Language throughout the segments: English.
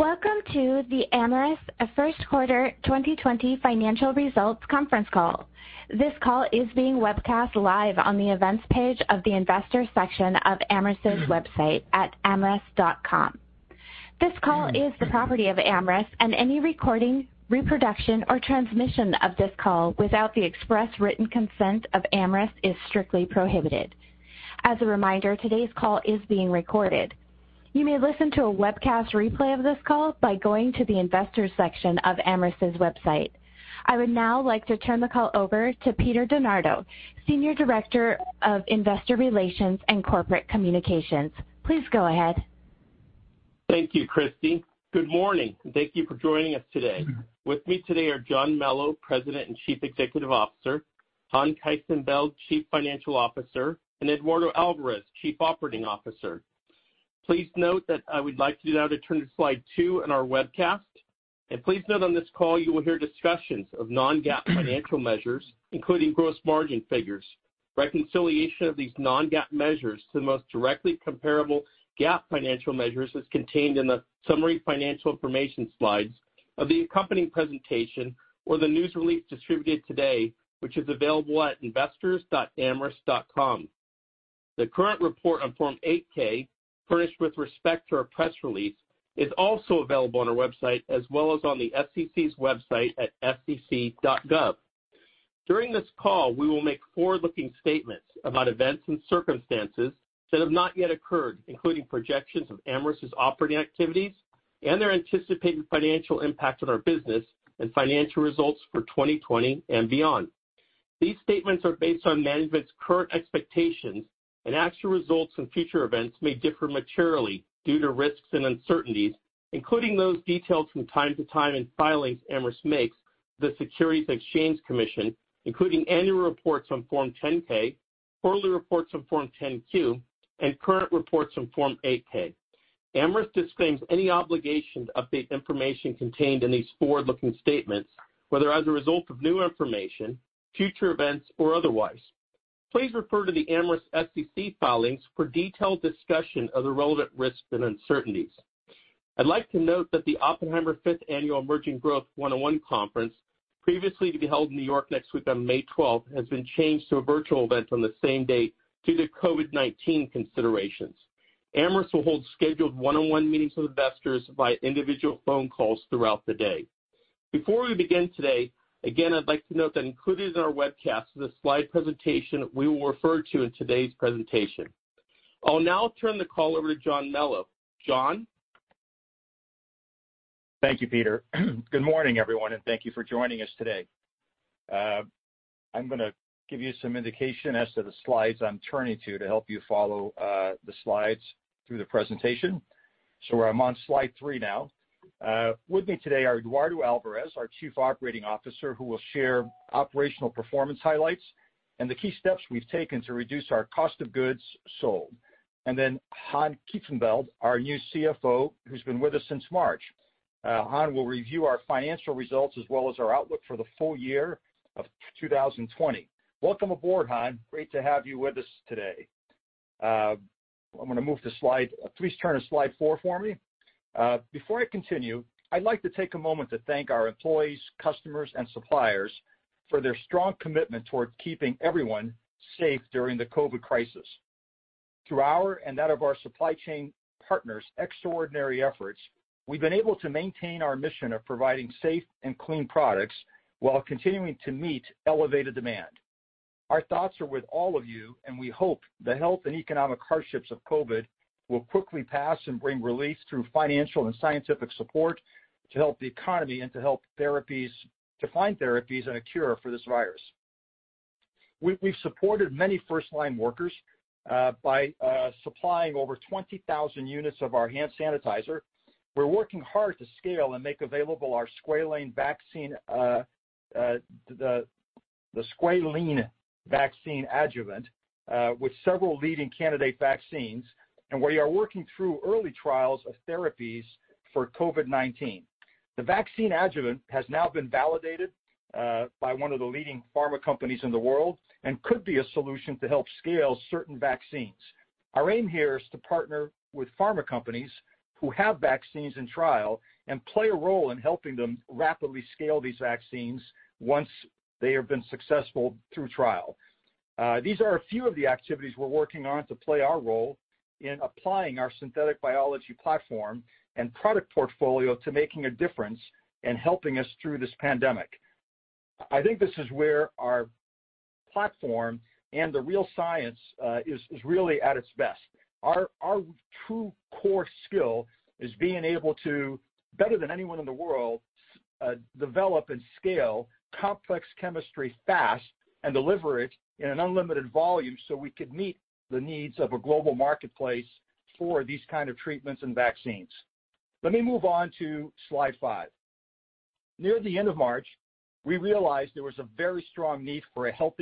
Welcome to the Amyris First Quarter 2020 Financial Results Conference Call. This call is being webcast live on the events page of the investor section of Amyris's website at amyris.com. This call is the property of Amyris, and any recording, reproduction, or transmission of this call without the express written consent of Amyris is strictly prohibited. As a reminder, today's call is being recorded. You may listen to a webcast replay of this call by going to the investor section of Amyris's website. I would now like to turn the call over to Peter DeNardo, Senior Director of Investor Relations and Corporate Communications. Please go ahead. Thank you, Christy. Good morning, and thank you for joining us today. With me today are John Melo, President and Chief Executive Officer, Han Kieftenbeld, Chief Financial Officer, and Eduardo Alvarez, Chief Operating Officer. Please note that I would like you now to turn to slide two in our webcast. Please note on this call you will hear discussions of non-GAAP financial measures, including gross margin figures. Reconciliation of these non-GAAP measures to the most directly comparable GAAP financial measures is contained in the summary financial information slides of the accompanying presentation or the news release distributed today, which is available at investors.amyris.com. The current report on Form 8-K, furnished with respect to our press release, is also available on our website as well as on the SEC's website at sec.gov. During this call, we will make forward-looking statements about events and circumstances that have not yet occurred, including projections of Amyris's operating activities and their anticipated financial impact on our business and financial results for 2020 and beyond. These statements are based on management's current expectations, and actual results and future events may differ materially due to risks and uncertainties, including those detailed from time to time in filings Amyris makes with the Securities and Exchange Commission, including annual reports on Form 10-K, quarterly reports on Form 10-Q, and current reports on Form 8-K. Amyris disclaims any obligation to update information contained in these forward-looking statements, whether as a result of new information, future events, or otherwise. Please refer to the Amyris SEC filings for detailed discussion of the relevant risks and uncertainties. I'd like to note that the Oppenheimer Fifth Annual Emerging Emerging Growth One-on-One Conference, previously to be held in New York next week on May 12th, has been changed to a virtual event on the same date due to COVID-19 considerations. Amyris will hold scheduled one-on-one meetings with investors via individual phone calls throughout the day. Before we begin today, again, I'd like to note that included in our webcast is a slide presentation we will refer to in today's presentation. I'll now turn the call over to John Melo. John? Thank you, Peter. Good morning, everyone, and thank you for joining us today. I'm going to give you some indication as to the slides I'm turning to to help you follow the slides through the presentation, so I'm on slide three now. With me today are Eduardo Alvarez, our Chief Operating Officer, who will share operational performance highlights and the key steps we've taken to reduce our cost of goods sold, and then Han Kieftenbeld, our new CFO, who's been with us since March. Han will review our financial results as well as our outlook for the full year of 2020. Welcome aboard, Han. Great to have you with us today. I'm going to move to slide. Please turn to slide four for me. Before I continue, I'd like to take a moment to thank our employees, customers, and suppliers for their strong commitment toward keeping everyone safe during the COVID crisis. Through our and that of our supply chain partners' extraordinary efforts, we've been able to maintain our mission of providing safe and clean products while continuing to meet elevated demand. Our thoughts are with all of you, and we hope the health and economic hardships of COVID will quickly pass and bring relief through financial and scientific support to help the economy and to help find therapies and a cure for this virus. We've supported many first-line workers by supplying over 20,000 units of our hand sanitizer. We're working hard to scale and make available our squalane vaccine, the squalene vaccine adjuvant, with several leading candidate vaccines, and we are working through early trials of therapies for COVID-19. The vaccine adjuvant has now been validated by one of the leading pharma companies in the world and could be a solution to help scale certain vaccines. Our aim here is to partner with pharma companies who have vaccines in trial and play a role in helping them rapidly scale these vaccines once they have been successful through trial. These are a few of the activities we're working on to play our role in applying our synthetic biology platform and product portfolio to making a difference and helping us through this pandemic. I think this is where our platform and the real science is really at its best. Our true core skill is being able to, better than anyone in the world, develop and scale complex chemistry fast and deliver it in an unlimited volume so we could meet the needs of a global marketplace for these kinds of treatments and vaccines. Let me move on to slide five. Near the end of March, we realized there was a very strong need for a hand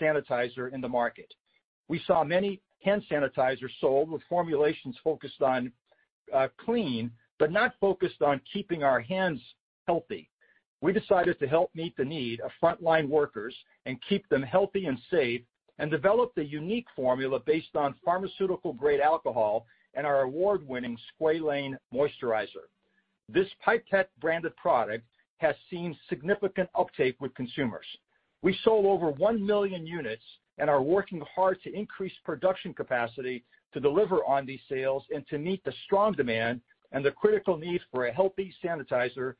sanitizer in the market. We saw many hand sanitizers sold with formulations focused on clean, but not focused on keeping our hands healthy. We decided to help meet the need of front-line workers and keep them healthy and safe and developed a unique formula based on pharmaceutical-grade alcohol and our award-winning squalane moisturizer. This Pipette branded product has seen significant uptake with consumers. We sold over 1 million units and are working hard to increase production capacity to deliver on these sales and to meet the strong demand and the critical need for hand sanitizer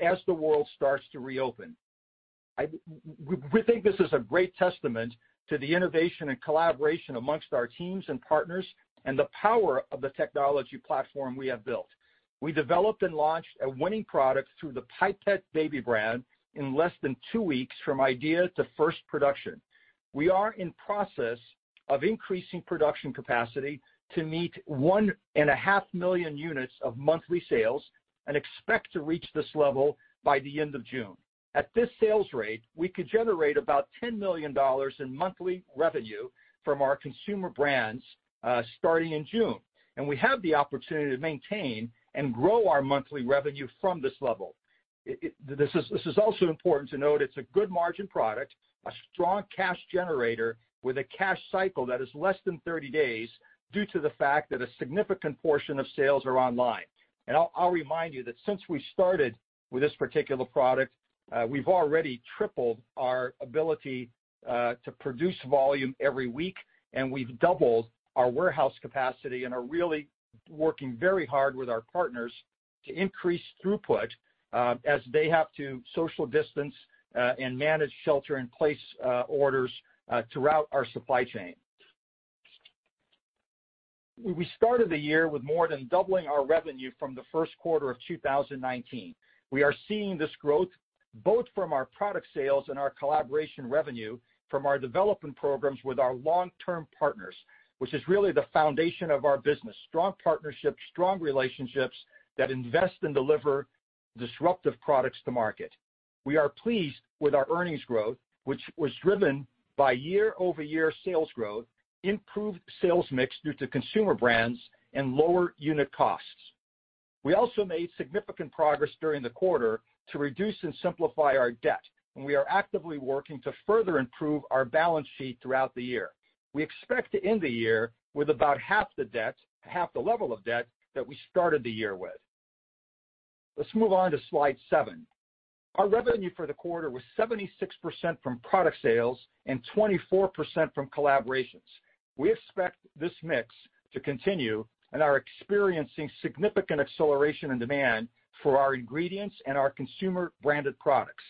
as the world starts to reopen. We think this is a great testament to the innovation and collaboration among our teams and partners and the power of the technology platform we have built. We developed and launched a winning product through the Pipette baby brand in less than two weeks from idea to first production. We are in process of increasing production capacity to meet one and a half million units of monthly sales and expect to reach this level by the end of June. At this sales rate, we could generate about $10 million in monthly revenue from our consumer brands starting in June. We have the opportunity to maintain and grow our monthly revenue from this level. This is also important to note. It's a good margin product, a strong cash generator with a cash cycle that is less than 30 days due to the fact that a significant portion of sales are online. I'll remind you that since we started with this particular product, we've already tripled our ability to produce volume every week, and we've doubled our warehouse capacity and are really working very hard with our partners to increase throughput as they have to social distance and manage shelter-in-place orders throughout our supply chain. We started the year with more than doubling our revenue from the first quarter of 2019. We are seeing this growth both from our product sales and our collaboration revenue from our development programs with our long-term partners, which is really the foundation of our business: strong partnerships, strong relationships that invest and deliver disruptive products to market. We are pleased with our earnings growth, which was driven by year-over-year sales growth, improved sales mix due to consumer brands, and lower unit costs. We also made significant progress during the quarter to reduce and simplify our debt, and we are actively working to further improve our balance sheet throughout the year. We expect to end the year with about half the debt, half the level of debt that we started the year with. Let's move on to slide seven. Our revenue for the quarter was 76% from product sales and 24% from collaborations. We expect this mix to continue, and are experiencing significant acceleration in demand for our ingredients and our consumer-branded products.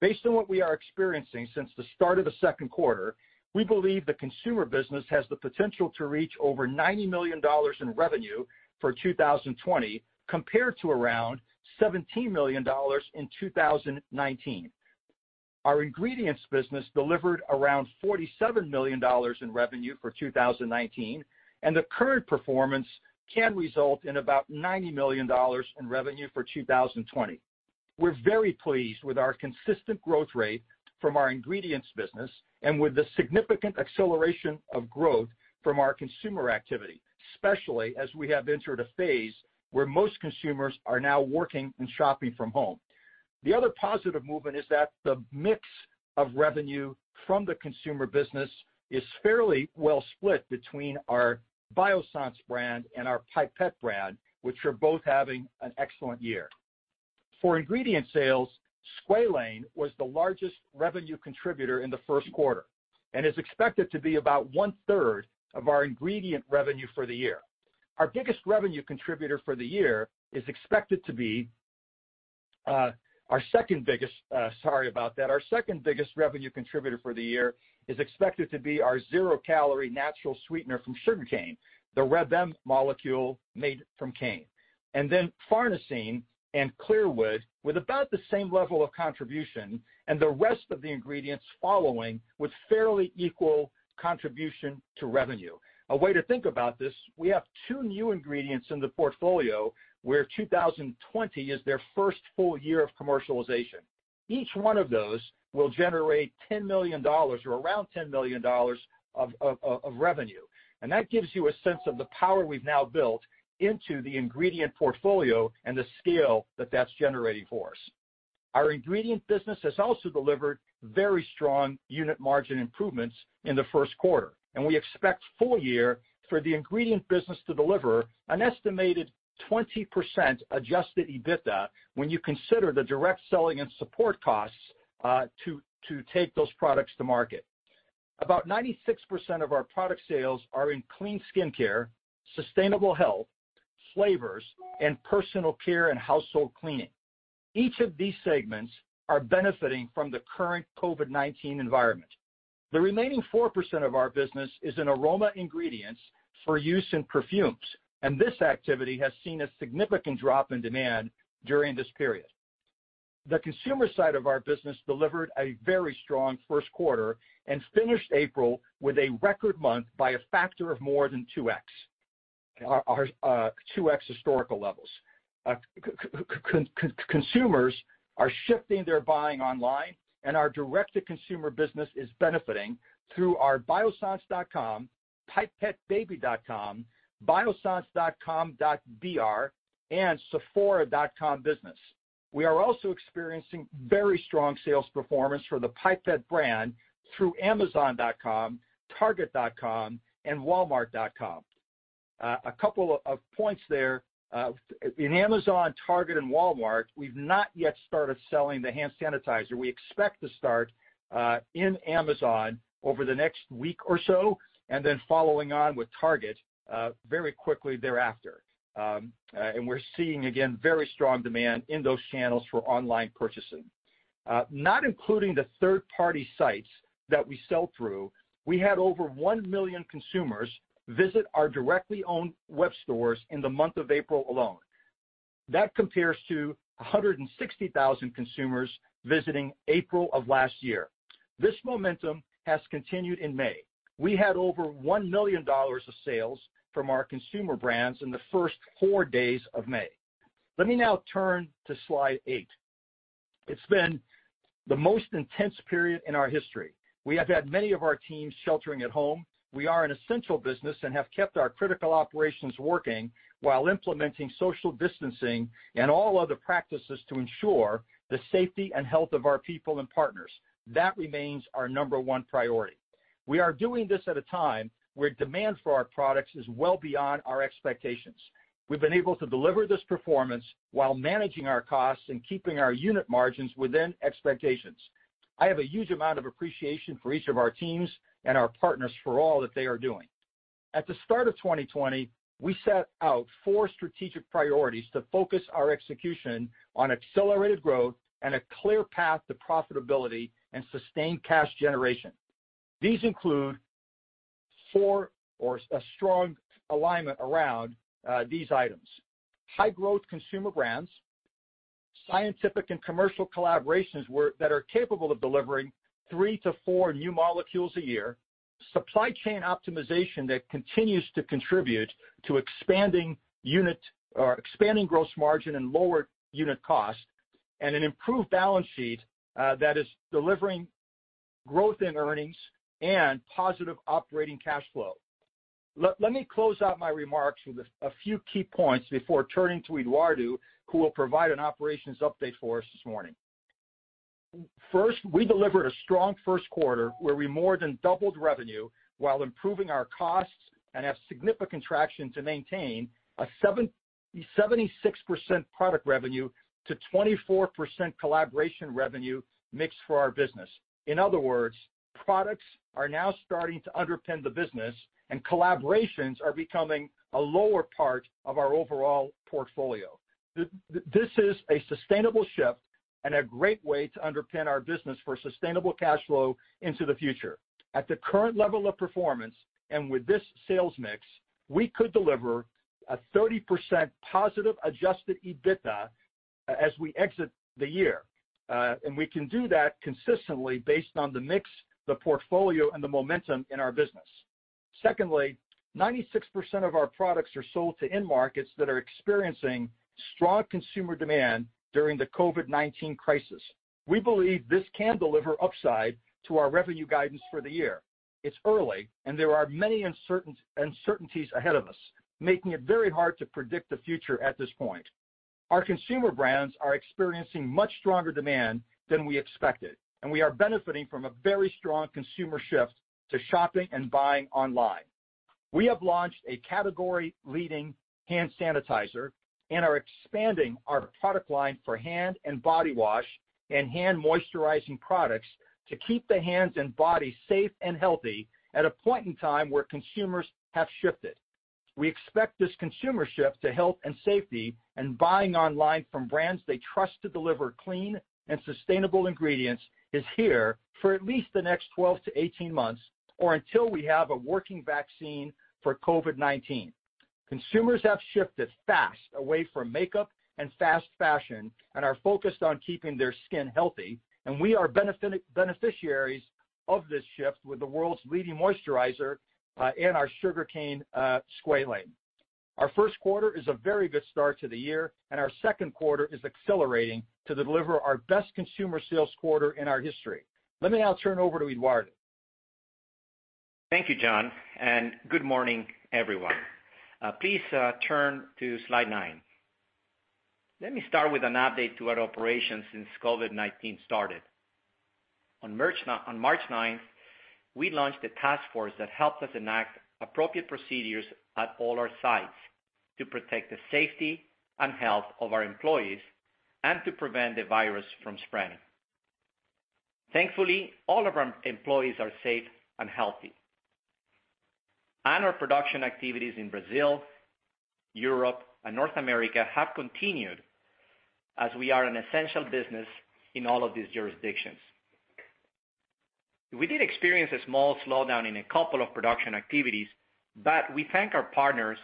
Based on what we are experiencing since the start of the second quarter, we believe the consumer business has the potential to reach over $90 million in revenue for 2020 compared to around $17 million in 2019. Our ingredients business delivered around $47 million in revenue for 2019, and the current performance can result in about $90 million in revenue for 2020. We're very pleased with our consistent growth rate from our ingredients business and with the significant acceleration of growth from our consumer activity, especially as we have entered a phase where most consumers are now working and shopping from home. The other positive movement is that the mix of revenue from the consumer business is fairly well split between our Biossance brand and our Pipette brand, which are both having an excellent year. For ingredient sales, squalane was the largest revenue contributor in the first quarter and is expected to be about one-third of our ingredient revenue for the year. Our biggest revenue contributor for the year is expected to be our second biggest - sorry about that - our second biggest revenue contributor for the year is expected to be our zero-calorie natural sweetener from sugarcane, the Reb M molecule made from cane. And then Farnesene and Clearwood with about the same level of contribution and the rest of the ingredients following with fairly equal contribution to revenue. A way to think about this: we have two new ingredients in the portfolio where 2020 is their first full year of commercialization. Each one of those will generate $10 million or around $10 million of revenue, and that gives you a sense of the power we've now built into the ingredient portfolio and the scale that that's generating for us. Our ingredient business has also delivered very strong unit margin improvements in the first quarter, and we expect full year for the ingredient business to deliver an estimated 20% Adjusted EBITDA when you consider the direct selling and support costs to take those products to market. About 96% of our product sales are in clean skincare, sustainable health, flavors, and personal care and household cleaning. Each of these segments are benefiting from the current COVID-19 environment. The remaining 4% of our business is in aroma ingredients for use in perfumes, and this activity has seen a significant drop in demand during this period. The consumer side of our business delivered a very strong first quarter and finished April with a record month by a factor of more than 2X, 2X historical levels. Consumers are shifting their buying online, and our direct-to-consumer business is benefiting through our biossance.com, pipettebaby.com, biossance.com.br, and sephora.com business. We are also experiencing very strong sales performance for the Pipette brand through amazon.com, target.com, and walmart.com. A couple of points there: in Amazon, Target, and Walmart, we've not yet started selling the hand sanitizer. We expect to start in Amazon over the next week or so and then following on with Target very quickly thereafter. We're seeing, again, very strong demand in those channels for online purchasing. Not including the third-party sites that we sell through, we had over one million consumers visit our directly owned web stores in the month of April alone. That compares to 160,000 consumers visiting April of last year. This momentum has continued in May. We had over $1 million of sales from our consumer brands in the first four days of May. Let me now turn to slide eight. It's been the most intense period in our history. We have had many of our teams sheltering at home. We are an essential business and have kept our critical operations working while implementing social distancing and all other practices to ensure the safety and health of our people and partners. That remains our number one priority. We are doing this at a time where demand for our products is well beyond our expectations. We've been able to deliver this performance while managing our costs and keeping our unit margins within expectations. I have a huge amount of appreciation for each of our teams and our partners for all that they are doing. At the start of 2020, we set out four strategic priorities to focus our execution on accelerated growth and a clear path to profitability and sustained cash generation. These include for our strong alignment around these items: high-growth consumer brands, scientific and commercial collaborations that are capable of delivering three to four new molecules a year, supply chain optimization that continues to contribute to expanding unit or expanding gross margin and lower unit cost, and an improved balance sheet that is delivering growth in earnings and positive operating cash flow. Let me close out my remarks with a few key points before turning to Eduardo, who will provide an operations update for us this morning. First, we delivered a strong first quarter where we more than doubled revenue while improving our costs and have significant traction to maintain a 76% product revenue to 24% collaboration revenue mix for our business. In other words, products are now starting to underpin the business, and collaborations are becoming a lower part of our overall portfolio. This is a sustainable shift and a great way to underpin our business for sustainable cash flow into the future. At the current level of performance and with this sales mix, we could deliver a 30% positive Adjusted EBITDA as we exit the year. And we can do that consistently based on the mix, the portfolio, and the momentum in our business. Secondly, 96% of our products are sold to in-markets that are experiencing strong consumer demand during the COVID-19 crisis. We believe this can deliver upside to our revenue guidance for the year. It's early, and there are many uncertainties ahead of us, making it very hard to predict the future at this point. Our consumer brands are experiencing much stronger demand than we expected, and we are benefiting from a very strong consumer shift to shopping and buying online. We have launched a category-leading hand sanitizer and are expanding our product line for hand and body wash and hand moisturizing products to keep the hands and body safe and healthy at a point in time where consumers have shifted. We expect this consumer shift to health and safety and buying online from brands they trust to deliver clean and sustainable ingredients is here for at least the next 12-18 months or until we have a working vaccine for COVID-19. Consumers have shifted fast away from makeup and fast fashion and are focused on keeping their skin healthy, and we are beneficiaries of this shift with the world's leading moisturizer and our sugarcane squalane. Our first quarter is a very good start to the year, and our second quarter is accelerating to deliver our best consumer sales quarter in our history. Let me now turn over to Eduardo. Thank you, John, and good morning, everyone. Please turn to slide nine. Let me start with an update to our operations since COVID-19 started. On March 9th, we launched a task force that helped us enact appropriate procedures at all our sites to protect the safety and health of our employees and to prevent the virus from spreading. Thankfully, all of our employees are safe and healthy. Our production activities in Brazil, Europe, and North America have continued as we are an essential business in all of these jurisdictions. We did experience a small slowdown in a couple of production activities, but we thank our partners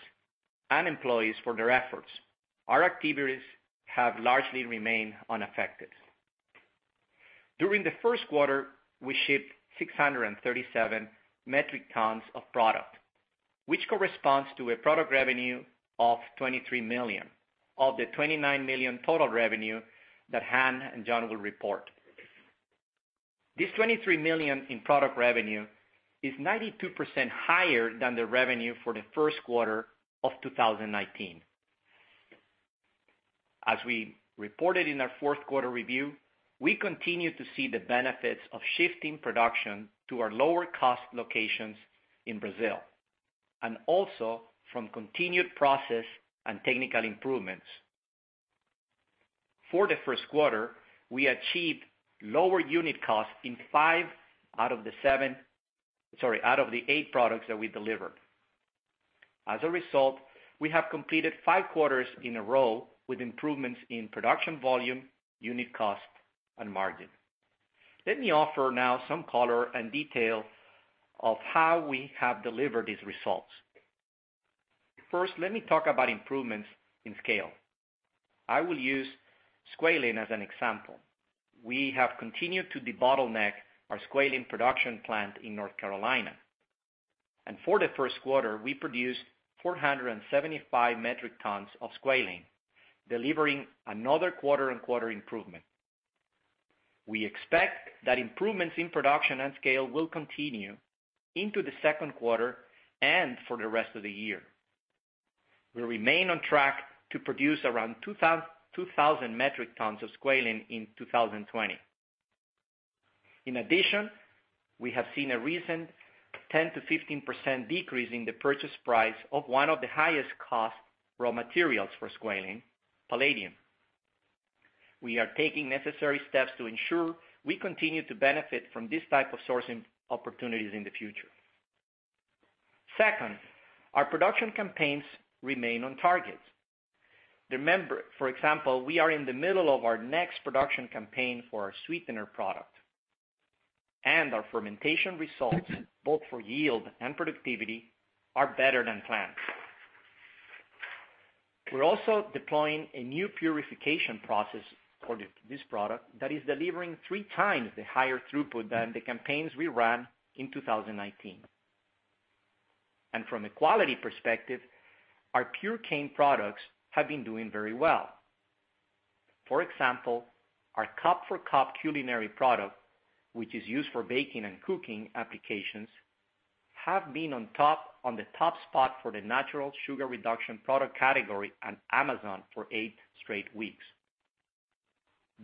and employees for their efforts. Our activities have largely remained unaffected. During the first quarter, we shipped 637 metric tons of product, which corresponds to a product revenue of $23 million of the $29 million total revenue that Han and John will report. This $23 million in product revenue is 92% higher than the revenue for the first quarter of 2019. As we reported in our fourth quarter review, we continue to see the benefits of shifting production to our lower-cost locations in Brazil and also from continued process and technical improvements. For the first quarter, we achieved lower unit costs in five out of the seven, sorry, out of the eight products that we delivered. As a result, we have completed five quarters in a row with improvements in production volume, unit cost, and margin. Let me offer now some color and detail of how we have delivered these results. First, let me talk about improvements in scale. I will use squalane as an example. We have continued to debottleneck our squalane production plant in North Carolina, and for the first quarter, we produced 475 metric tons of squalane, delivering another quarter-on-quarter improvement. We expect that improvements in production and scale will continue into the second quarter and for the rest of the year. We remain on track to produce around 2,000 metric tons of squalane in 2020. In addition, we have seen a recent 10%-15% decrease in the purchase price of one of the highest-cost raw materials for squalane, palladium. We are taking necessary steps to ensure we continue to benefit from this type of sourcing opportunities in the future. Second, our production campaigns remain on target. For example, we are in the middle of our next production campaign for our sweetener product. And our fermentation results, both for yield and productivity, are better than planned. We're also deploying a new purification process for this product that is delivering three times the higher throughput than the campaigns we ran in 2019. And from a quality perspective, our Purecane products have been doing very well. For example, our cup-for-cup culinary product, which is used for baking and cooking applications, has been on top of the top spot for the natural sugar reduction product category on Amazon for eight straight weeks.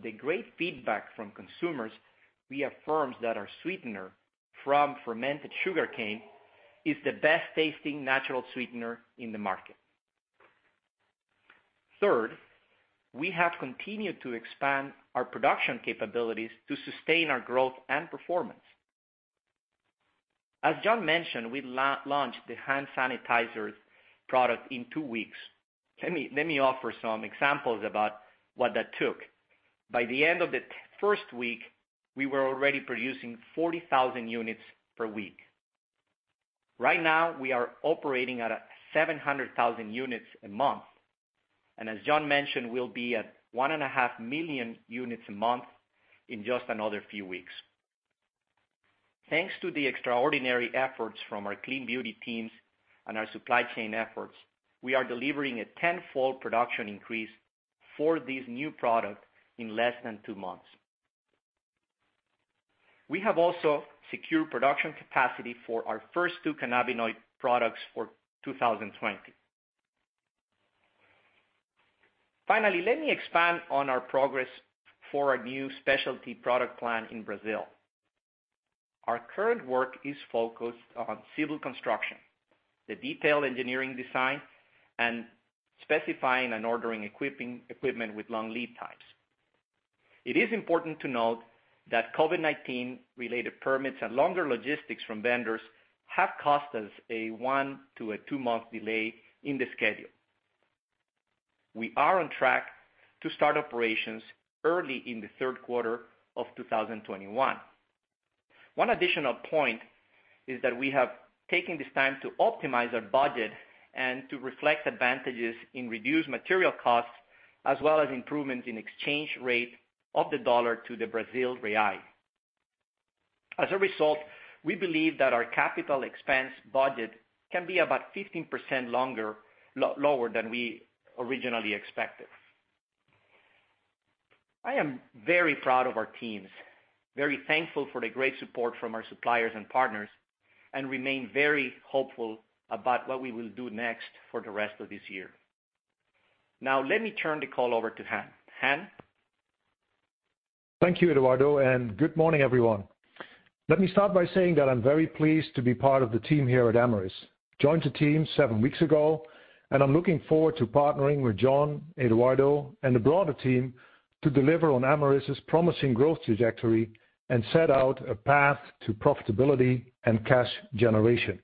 The great feedback from consumers via reviews that our sweetener from fermented sugarcane is the best-tasting natural sweetener in the market. Third, we have continued to expand our production capabilities to sustain our growth and performance. As John mentioned, we launched the hand sanitizer product in two weeks. Let me offer some examples about what that took. By the end of the first week, we were already producing 40,000 units per week. Right now, we are operating at 700,000 units a month. As John mentioned, we'll be at 1.5 million units a month in just another few weeks. Thanks to the extraordinary efforts from our clean beauty teams and our supply chain efforts, we are delivering a tenfold production increase for this new product in less than two months. We have also secured production capacity for our first two cannabinoid products for 2020. Finally, let me expand on our progress for our new specialty product plant in Brazil. Our current work is focused on civil construction, the detailed engineering design, and specifying and ordering equipment with long lead times. It is important to note that COVID-19-related permits and longer logistics from vendors have caused us a one- to two-month delay in the schedule. We are on track to start operations early in the third quarter of 2021. One additional point is that we have taken this time to optimize our budget and to reflect advantages in reduced material costs as well as improvements in exchange rate of the dollar to the Brazilian real. As a result, we believe that our capital expense budget can be about 15% lower than we originally expected. I am very proud of our teams, very thankful for the great support from our suppliers and partners, and remain very hopeful about what we will do next for the rest of this year. Now, let me turn the call over to Han. Han. Thank you, Eduardo, and good morning, everyone. Let me start by saying that I'm very pleased to be part of the team here at Amyris. I joined the team seven weeks ago, and I'm looking forward to partnering with John, Eduardo, and the broader team to deliver on Amyris's promising growth trajectory and set out a path to profitability and cash generation.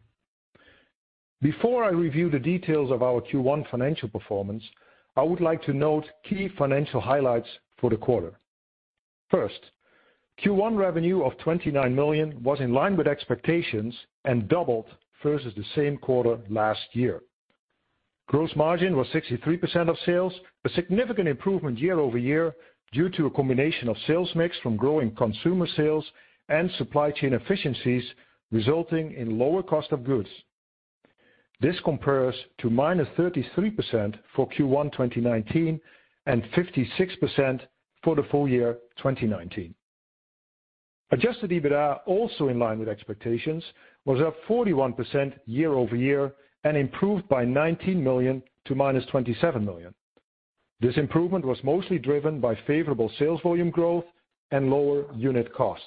Before I review the details of our Q1 financial performance, I would like to note key financial highlights for the quarter. First, Q1 revenue of $29 million was in line with expectations and doubled versus the same quarter last year. Gross margin was 63% of sales, a significant improvement year-over-year due to a combination of sales mix from growing consumer sales and supply chain efficiencies resulting in lower cost of goods. This compares to minus 33% for Q1 2019 and 56% for the full year 2019. Adjusted EBITDA, also in line with expectations, was up 41% year-over-year and improved by $19 million to minus $27 million. This improvement was mostly driven by favorable sales volume growth and lower unit cost.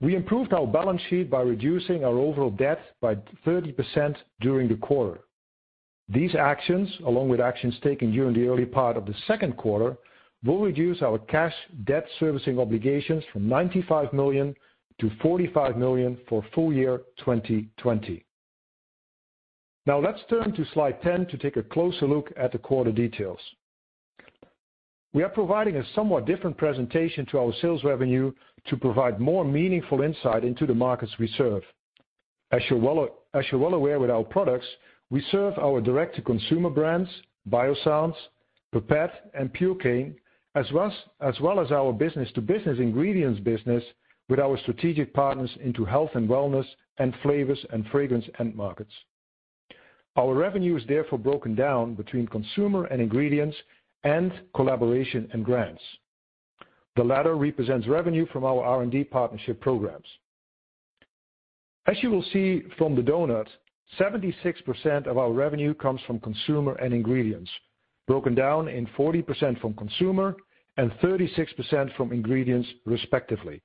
We improved our balance sheet by reducing our overall debt by 30% during the quarter. These actions, along with actions taken during the early part of the second quarter, will reduce our cash debt servicing obligations from $95 million to $45 million for full year 2020. Now, let's turn to slide 10 to take a closer look at the quarter details. We are providing a somewhat different presentation to our sales revenue to provide more meaningful insight into the markets we serve. As you're well aware with our products, we serve our direct-to-consumer brands, Biossance, Pipette, and Purecane, as well as our business-to-business ingredients business with our strategic partners into health and wellness and flavors and fragrance end markets. Our revenue is therefore broken down between consumer and ingredients and collaboration and grants. The latter represents revenue from our R&D partnership programs. As you will see from the donut, 76% of our revenue comes from consumer and ingredients, broken down in 40% from consumer and 36% from ingredients, respectively.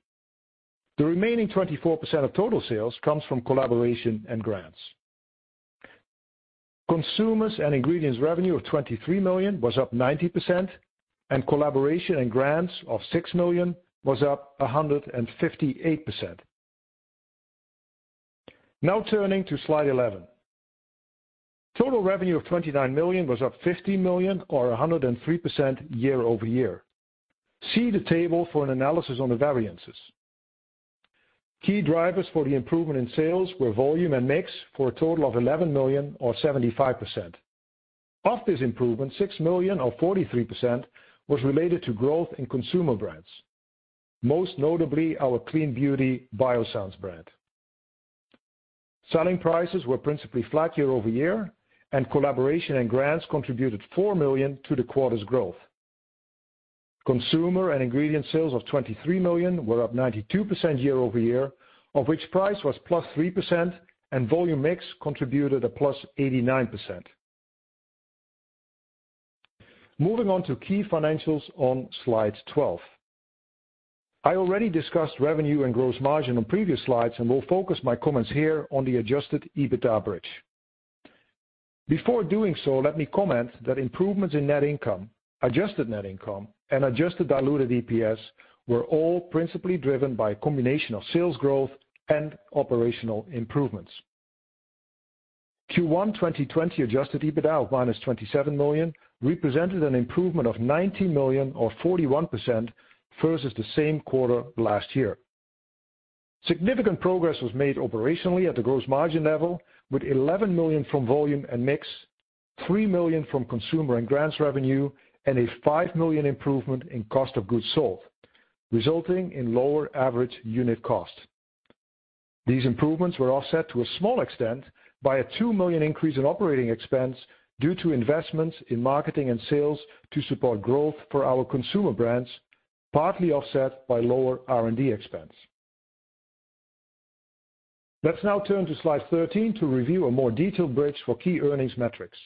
The remaining 24% of total sales comes from collaboration and grants. Consumers and ingredients revenue of $23 million was up 90%, and collaboration and grants of $6 million was up 158%. Now, turning to slide 11. Total revenue of $29 million was up $15 million, or 103% year-over-year. See the table for an analysis on the variances. Key drivers for the improvement in sales were volume and mix for a total of $11 million, or 75%. Of this improvement, $6 million, or 43%, was related to growth in consumer brands, most notably our clean beauty Biossance brand. Selling prices were principally flat year-over-year, and collaboration and grants contributed $4 million to the quarter's growth. Consumer and ingredient sales of $23 million were up 92% year-over-year, of which price was plus 3%, and volume mix contributed a plus 89%. Moving on to key financials on slide 12. I already discussed revenue and gross margin on previous slides and will focus my comments here on the Adjusted EBITDA bridge. Before doing so, let me comment that improvements in net income, adjusted net income, and adjusted diluted EPS were all principally driven by a combination of sales growth and operational improvements. Q1 2020 Adjusted EBITDA of minus $27 million represented an improvement of $19 million, or 41%, versus the same quarter last year. Significant progress was made operationally at the gross margin level, with $11 million from volume and mix, $3 million from consumer and grants revenue, and a $5 million improvement in cost of goods sold, resulting in lower average unit cost. These improvements were offset to a small extent by a $2 million increase in operating expense due to investments in marketing and sales to support growth for our consumer brands, partly offset by lower R&D expense. Let's now turn to slide 13 to review a more detailed bridge for key earnings metrics.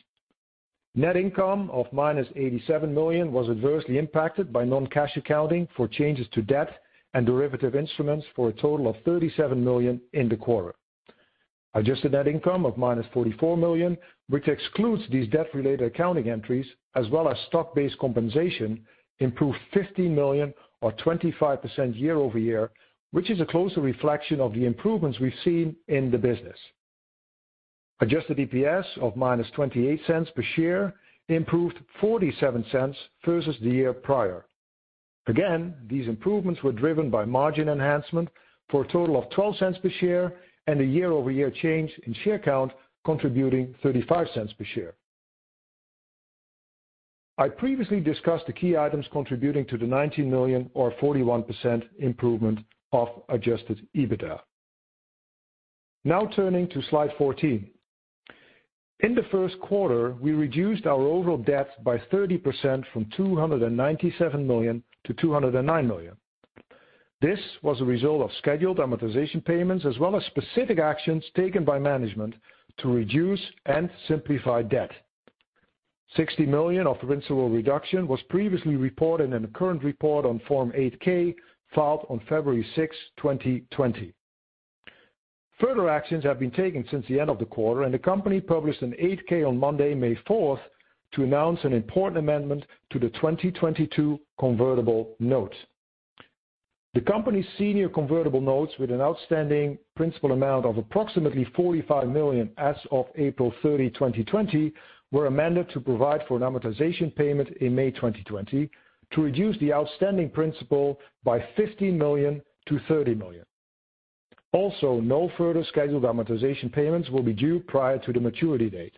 Net income of -$87 million was adversely impacted by non-cash accounting for changes to debt and derivative instruments for a total of $37 million in the quarter. Adjusted net income of -$44 million, which excludes these debt-related accounting entries, as well as stock-based compensation, improved $15 million, or 25% year-over-year, which is a closer reflection of the improvements we've seen in the business. Adjusted EPS of -$0.28 per share improved $0.47 versus the year prior. Again, these improvements were driven by margin enhancement for a total of $0.12 per share and a year-over-year change in share count contributing $0.35 per share. I previously discussed the key items contributing to the $19 million, or 41%, improvement of Adjusted EBITDA. Now, turning to slide 14. In the first quarter, we reduced our overall debt by 30% from $297 million to $209 million. This was a result of scheduled amortization payments as well as specific actions taken by management to reduce and simplify debt. $60 million of principal reduction was previously reported in a current report on Form 8-K filed on February 6, 2020. Further actions have been taken since the end of the quarter, and the company published an 8-K on Monday, May 4th, to announce an important amendment to the 2022 convertible notes. The company's senior convertible notes, with an outstanding principal amount of approximately $45 million as of April 30, 2020, were amended to provide for an amortization payment in May 2020 to reduce the outstanding principal by $15 million-$30 million. Also, no further scheduled amortization payments will be due prior to the maturity date.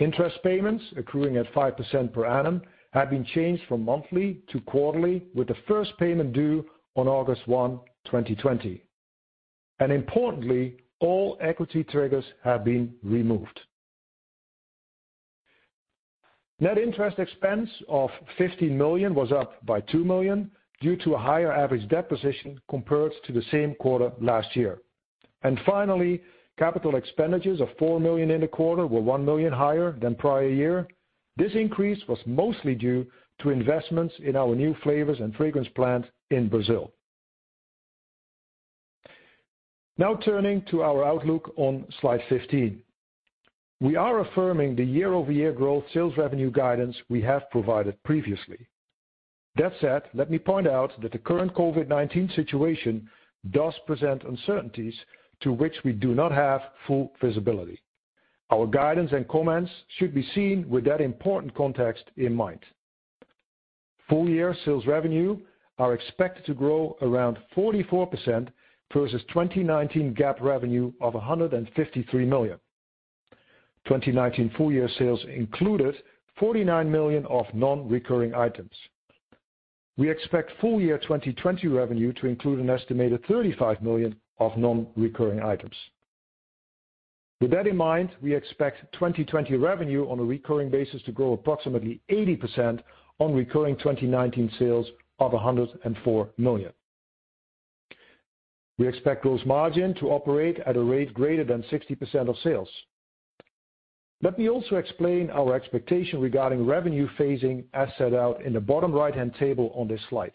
Interest payments, accruing at 5% per annum, have been changed from monthly to quarterly, with the first payment due on August 1, 2020, and importantly, all equity triggers have been removed. Net interest expense of $15 million was up by $2 million due to a higher average debt position compared to the same quarter last year. And finally, capital expenditures of $4 million in the quarter were $1 million higher than prior year. This increase was mostly due to investments in our new flavors and fragrance plant in Brazil. Now, turning to our outlook on slide 15. We are affirming the year-over-year growth sales revenue guidance we have provided previously. That said, let me point out that the current COVID-19 situation does present uncertainties to which we do not have full visibility. Our guidance and comments should be seen with that important context in mind. Full year sales revenue are expected to grow around 44% versus 2019 GAAP revenue of $153 million. 2019 full year sales included $49 million of non-recurring items. We expect full year 2020 revenue to include an estimated $35 million of non-recurring items. With that in mind, we expect 2020 revenue on a recurring basis to grow approximately 80% on recurring 2019 sales of $104 million. We expect gross margin to operate at a rate greater than 60% of sales. Let me also explain our expectation regarding revenue phasing as set out in the bottom right-hand table on this slide.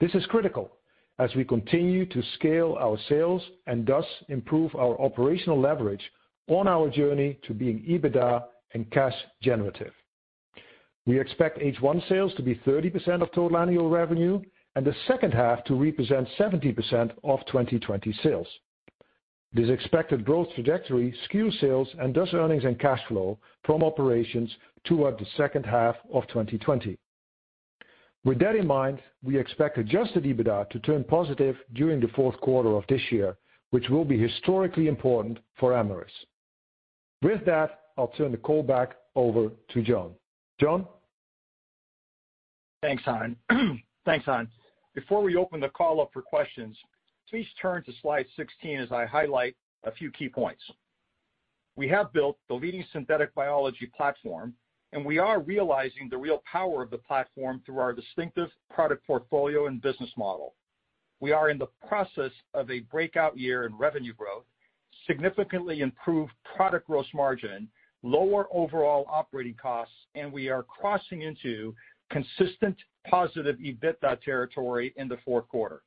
This is critical as we continue to scale our sales and thus improve our operational leverage on our journey to being EBITDA and cash generative. We expect H1 sales to be 30% of total annual revenue and the second half to represent 70% of 2020 sales. This expected growth trajectory skews sales and thus earnings and cash flow from operations toward the second half of 2020. With that in mind, we expect Adjusted EBITDA to turn positive during the fourth quarter of this year, which will be historically important for Amyris. With that, I'll turn the call back over to John. John. Thanks, Han. Thanks, Han. Before we open the call up for questions, please turn to slide 16 as I highlight a few key points. We have built the leading synthetic biology platform, and we are realizing the real power of the platform through our distinctive product portfolio and business model. We are in the process of a breakout year in revenue growth, significantly improved product gross margin, lower overall operating costs, and we are crossing into consistent positive EBITDA territory in the fourth quarter.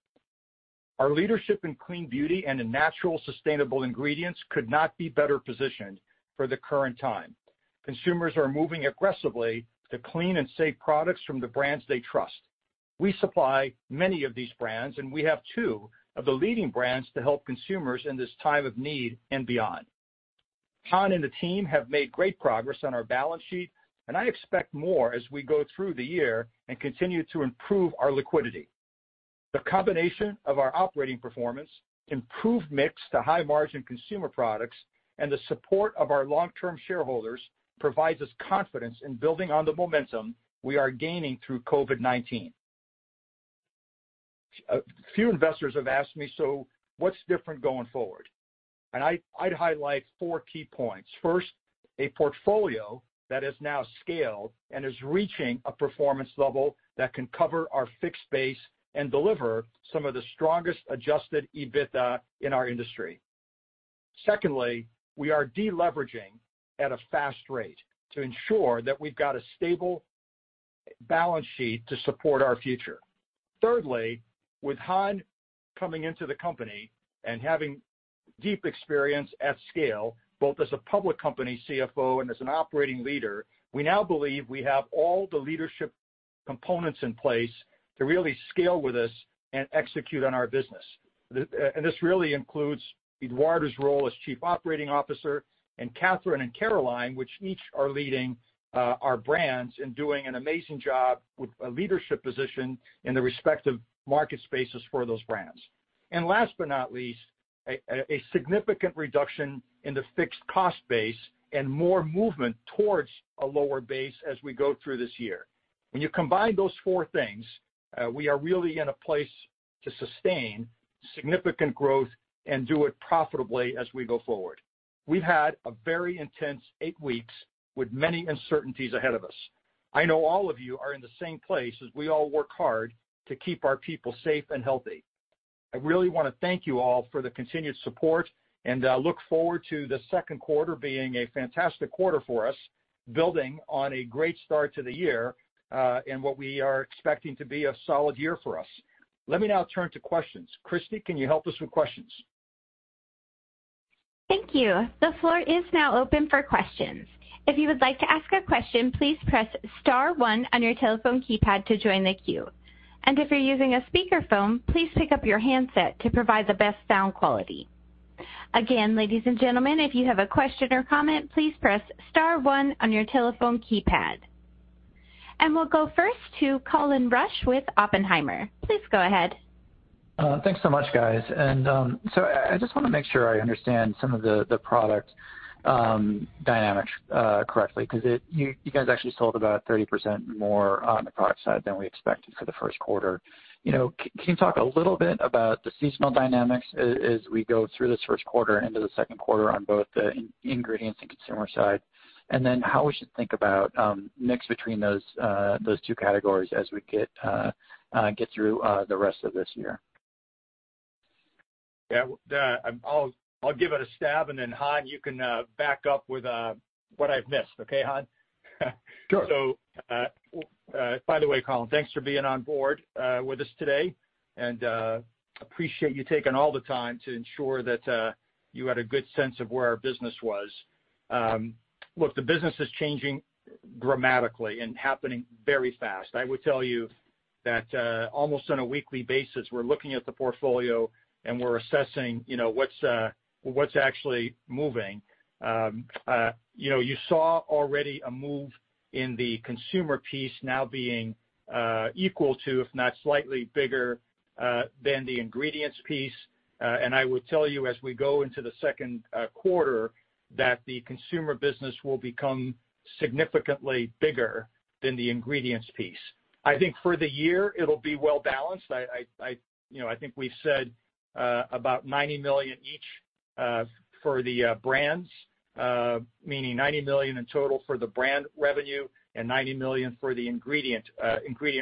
Our leadership in clean beauty and in natural sustainable ingredients could not be better positioned for the current time. Consumers are moving aggressively to clean and safe products from the brands they trust. We supply many of these brands, and we have two of the leading brands to help consumers in this time of need and beyond. Han and the team have made great progress on our balance sheet, and I expect more as we go through the year and continue to improve our liquidity. The combination of our operating performance, improved mix to high-margin consumer products, and the support of our long-term shareholders provides us confidence in building on the momentum we are gaining through COVID-19. Few investors have asked me, "So what's different going forward?", and I'd highlight four key points. First, a portfolio that has now scaled and is reaching a performance level that can cover our fixed base and deliver some of the strongest Adjusted EBITDA in our industry. Secondly, we are deleveraging at a fast rate to ensure that we've got a stable balance sheet to support our future. Thirdly, with Han coming into the company and having deep experience at scale, both as a public company CFO and as an operating leader, we now believe we have all the leadership components in place to really scale with us and execute on our business. And this really includes Eduardo's role as Chief Operating Officer and Catherine and Caroline, which each are leading our brands and doing an amazing job with a leadership position in the respective market spaces for those brands. And last but not least, a significant reduction in the fixed cost base and more movement towards a lower base as we go through this year. When you combine those four things, we are really in a place to sustain significant growth and do it profitably as we go forward. We've had a very intense eight weeks with many uncertainties ahead of us. I know all of you are in the same place as we all work hard to keep our people safe and healthy. I really want to thank you all for the continued support, and I look forward to the second quarter being a fantastic quarter for us, building on a great start to the year and what we are expecting to be a solid year for us. Let me now turn to questions. Christy, can you help us with questions? Thank you. The floor is now open for questions. If you would like to ask a question, please press star one on your telephone keypad to join the queue. And if you're using a speakerphone, please pick up your handset to provide the best sound quality. Again, ladies and gentlemen, if you have a question or comment, please press star one on your telephone keypad. And we'll go first to Colin Rusch with Oppenheimer. Please go ahead. Thanks so much, guys. And so I just want to make sure I understand some of the product dynamics correctly because you guys actually sold about 30% more on the product side than we expected for the first quarter. Can you talk a little bit about the seasonal dynamics as we go through this first quarter into the second quarter on both the ingredients and consumer side, and then how we should think about mix between those two categories as we get through the rest of this year? Yeah. I'll give it a stab, and then Han, you can back up with what I've missed. Okay, Han? Sure. So by the way, Colin, thanks for being on board with us today, and appreciate you taking all the time to ensure that you had a good sense of where our business was. Look, the business is changing dramatically and happening very fast. I would tell you that almost on a weekly basis, we're looking at the portfolio and we're assessing what's actually moving. You saw already a move in the consumer piece now being equal to, if not slightly bigger, than the ingredients piece. And I would tell you as we go into the second quarter that the consumer business will become significantly bigger than the ingredients piece. I think for the year, it'll be well balanced. I think we've said about $90 million each for the brands, meaning $90 million in total for the brand revenue and $90 million for the ingredient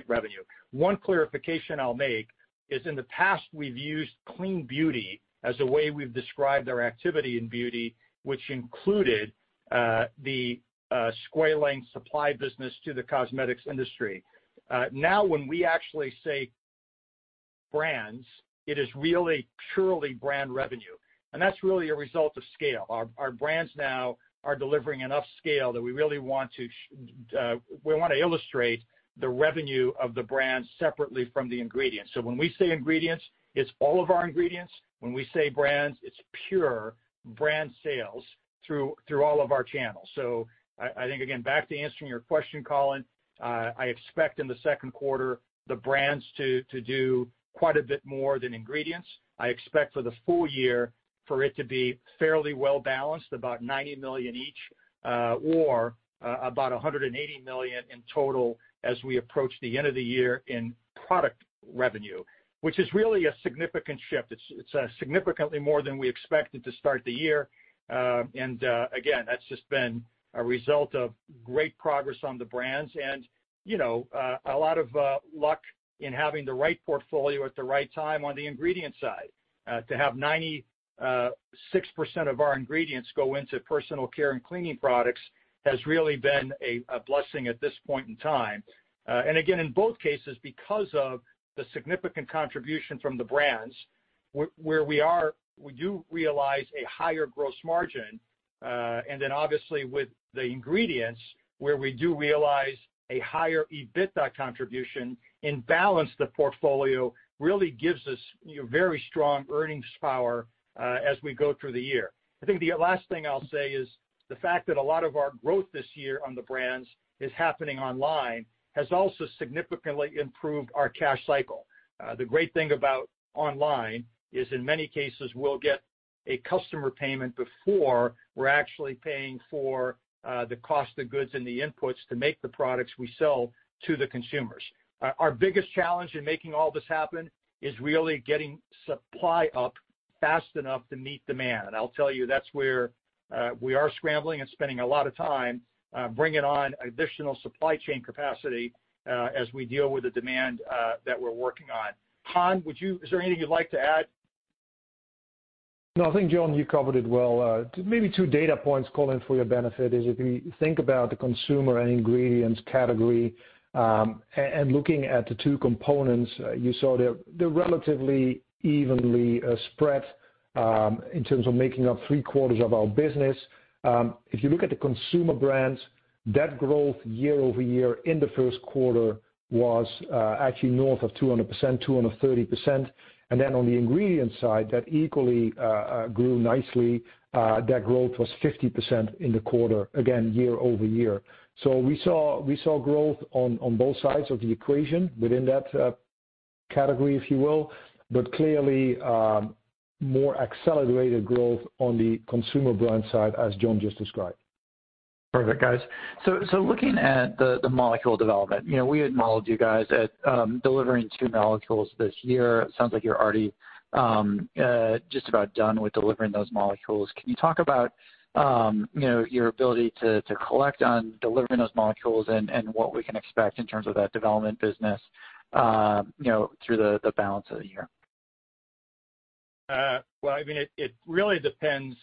revenue. One clarification I'll make is in the past, we've used clean beauty as a way we've described our activity in beauty, which included the squalane supply business to the cosmetics industry. Now, when we actually say brands, it is really purely brand revenue. And that's really a result of scale. Our brands now are delivering enough scale that we really want to illustrate the revenue of the brands separately from the ingredients. So when we say ingredients, it's all of our ingredients. When we say brands, it's pure brand sales through all of our channels. So I think, again, back to answering your question, Colin, I expect in the second quarter the brands to do quite a bit more than ingredients. I expect for the full year for it to be fairly well balanced, about $90 million each or about $180 million in total as we approach the end of the year in product revenue, which is really a significant shift. It's significantly more than we expected to start the year. And again, that's just been a result of great progress on the brands and a lot of luck in having the right portfolio at the right time on the ingredient side. To have 96% of our ingredients go into personal care and cleaning products has really been a blessing at this point in time. And again, in both cases, because of the significant contribution from the brands, where we are, we do realize a higher gross margin. And then obviously, with the ingredients, where we do realize a higher EBITDA contribution and balance the portfolio really gives us very strong earnings power as we go through the year. I think the last thing I'll say is the fact that a lot of our growth this year on the brands is happening online, has also significantly improved our cash cycle. The great thing about online is in many cases, we'll get a customer payment before we're actually paying for the cost of goods and the inputs to make the products we sell to the consumers. Our biggest challenge in making all this happen is really getting supply up fast enough to meet demand. And I'll tell you, that's where we are scrambling and spending a lot of time bringing on additional supply chain capacity as we deal with the demand that we're working on. Han, is there anything you'd like to add? No, I think, John, you covered it well. Maybe two data points, Colin, for your benefit is if you think about the consumer and ingredients category and looking at the two components, you saw they're relatively evenly spread in terms of making up three quarters of our business. If you look at the consumer brands, that growth year-over-year in the first quarter was actually north of 200%, 230%. And then on the ingredients side, that equally grew nicely. That growth was 50% in the quarter, again, year-over-year. So we saw growth on both sides of the equation within that category, if you will, but clearly more accelerated growth on the consumer brand side as John just described. Perfect, guys. So looking at the molecule development, we acknowledge you guys at delivering two molecules this year. It sounds like you're already just about done with delivering those molecules. Can you talk about your ability to collect on delivering those molecules and what we can expect in terms of that development business through the balance of the year? I mean, it really depends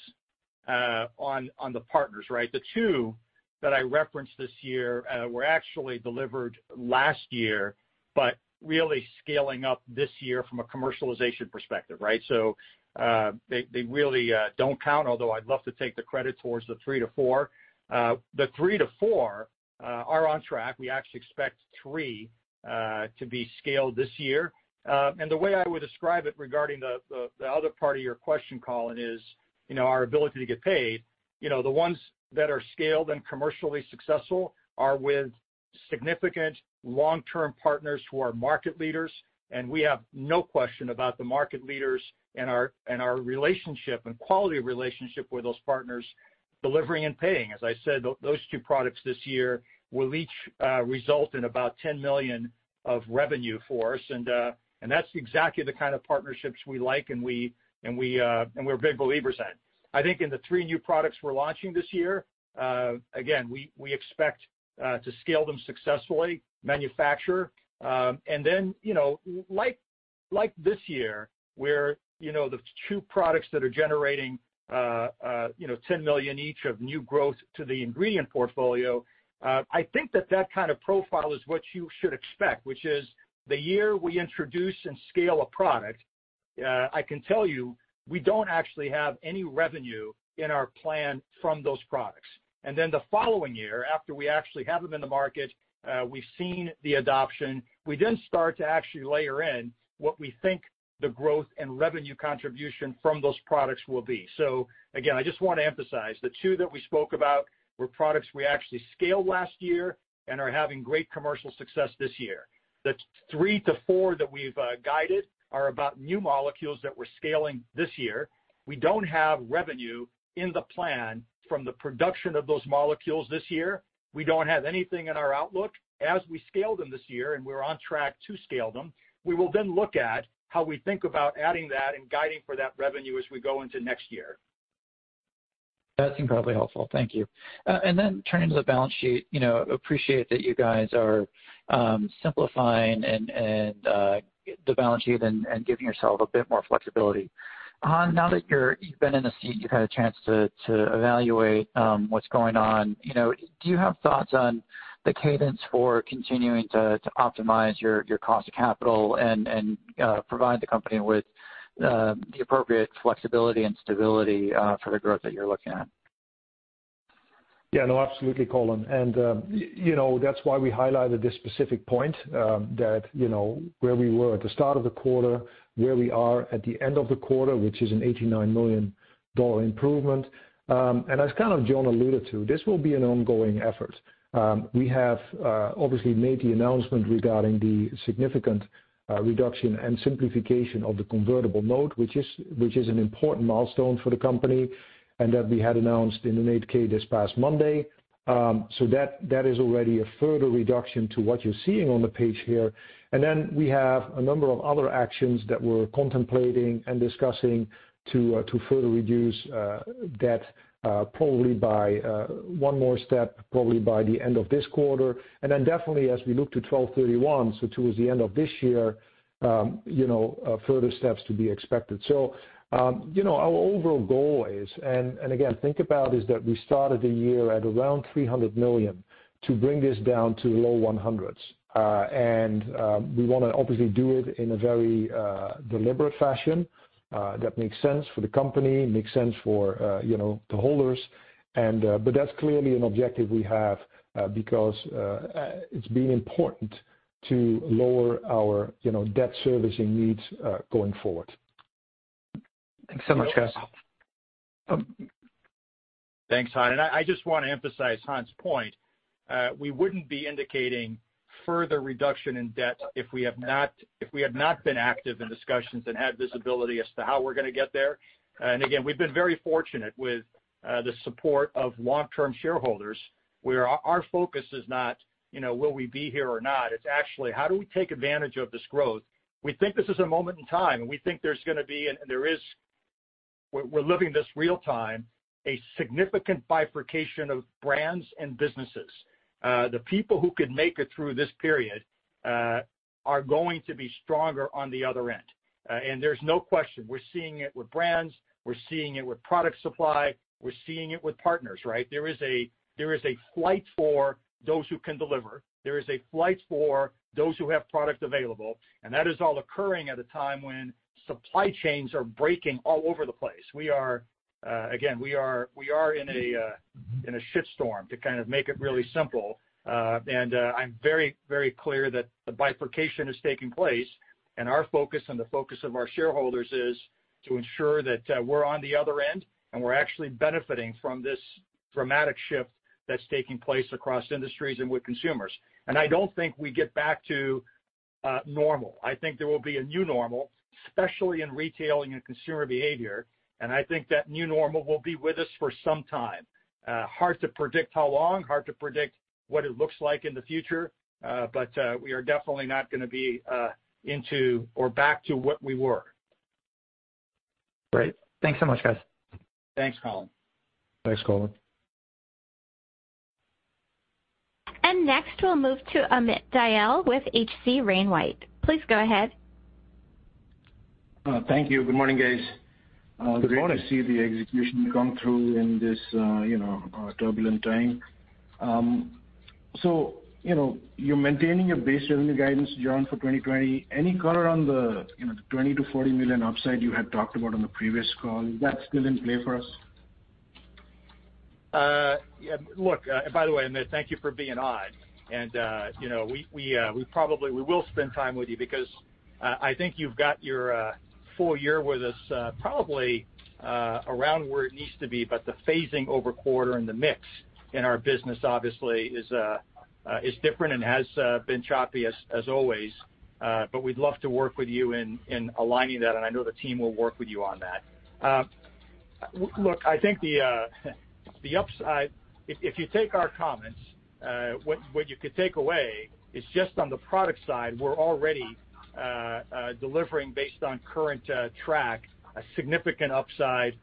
on the partners, right? The two that I referenced this year were actually delivered last year, but really scaling up this year from a commercialization perspective, right? So they really don't count, although I'd love to take the credit towards the three to four. The three to four are on track. We actually expect three to be scaled this year. And the way I would describe it regarding the other part of your question, Colin, is our ability to get paid. The ones that are scaled and commercially successful are with significant long-term partners who are market leaders. And we have no question about the market leaders and our relationship and quality relationship with those partners delivering and paying. As I said, those two products this year will each result in about $10 million of revenue for us. And that's exactly the kind of partnerships we like, and we're big believers in. I think in the three new products we're launching this year, again, we expect to scale them successfully, manufacture. And then like this year, where the two products that are generating $10 million each of new growth to the ingredient portfolio, I think that that kind of profile is what you should expect, which is the year we introduce and scale a product, I can tell you we don't actually have any revenue in our plan from those products. And then the following year, after we actually have them in the market, we've seen the adoption. We then start to actually layer in what we think the growth and revenue contribution from those products will be. So again, I just want to emphasize the two that we spoke about were products we actually scaled last year and are having great commercial success this year. The three to four that we've guided are about new molecules that we're scaling this year. We don't have revenue in the plan from the production of those molecules this year. We don't have anything in our outlook. As we scale them this year and we're on track to scale them, we will then look at how we think about adding that and guiding for that revenue as we go into next year. That's incredibly helpful. Thank you. And then, turning to the balance sheet, I appreciate that you guys are simplifying the balance sheet and giving yourself a bit more flexibility. Han, now that you've been in the seat, you've had a chance to evaluate what's going on. Do you have thoughts on the cadence for continuing to optimize your cost of capital and provide the company with the appropriate flexibility and stability for the growth that you're looking at? Yeah, no, absolutely, Colin. And that's why we highlighted this specific point that where we were at the start of the quarter, where we are at the end of the quarter, which is an $89 million improvement. And as kind of John alluded to, this will be an ongoing effort. We have obviously made the announcement regarding the significant reduction and simplification of the convertible note, which is an important milestone for the company, and that we had announced in an 8-K this past Monday. So that is already a further reduction to what you're seeing on the page here. Then we have a number of other actions that we're contemplating and discussing to further reduce that probably by one more step, probably by the end of this quarter. Then definitely, as we look to December 31, so towards the end of this year, further steps to be expected. Our overall goal is, and again, think about is that we started the year at around $300 million to bring this down to low $100 millions. We want to obviously do it in a very deliberate fashion that makes sense for the company, makes sense for the holders. That's clearly an objective we have because it's been important to lower our debt servicing needs going forward. Thanks so much, guys. Thanks, Han. I just want to emphasize Han's point. We wouldn't be indicating further reduction in debt if we had not been active in discussions and had visibility as to how we're going to get there. And again, we've been very fortunate with the support of long-term shareholders where our focus is not, will we be here or not? It's actually how do we take advantage of this growth? We think this is a moment in time, and we think there's going to be, and there is, we're living this real time, a significant bifurcation of brands and businesses. The people who could make it through this period are going to be stronger on the other end. And there's no question. We're seeing it with brands. We're seeing it with product supply. We're seeing it with partners, right? There is a flight for those who can deliver. There is a flight for those who have product available. And that is all occurring at a time when supply chains are breaking all over the place. Again, we are in a shitstorm, to kind of make it really simple. And I'm very, very clear that the bifurcation is taking place. And our focus and the focus of our shareholders is to ensure that we're on the other end and we're actually benefiting from this dramatic shift that's taking place across industries and with consumers. And I don't think we get back to normal. I think there will be a new normal, especially in retailing and consumer behavior. And I think that new normal will be with us for some time. Hard to predict how long, hard to predict what it looks like in the future, but we are definitely not going to be into or back to what we were. Great. Thanks so much, guys. Thanks, Colin. Thanks, Colin. And next, we'll move to Amit Dayal with H.C. Wainwright & Co. Please go ahead. Thank you. Good morning, guys. Good morning. As you can see the execution come through in this turbulent time. So you're maintaining your base revenue guidance, John, for 2020. Any color on the $20 million-$40 million upside you had talked about on the previous call? Is that still in play for us? Look, by the way, Amit, thank you for being on. And we will spend time with you because I think you've got your full year with us probably around where it needs to be. But the phasing over quarter and the mix in our business, obviously, is different and has been choppy as always. But we'd love to work with you in aligning that. And I know the team will work with you on that. Look, I think the upside, if you take our comments, what you could take away is just on the product side, we're already delivering based on current track a significant upside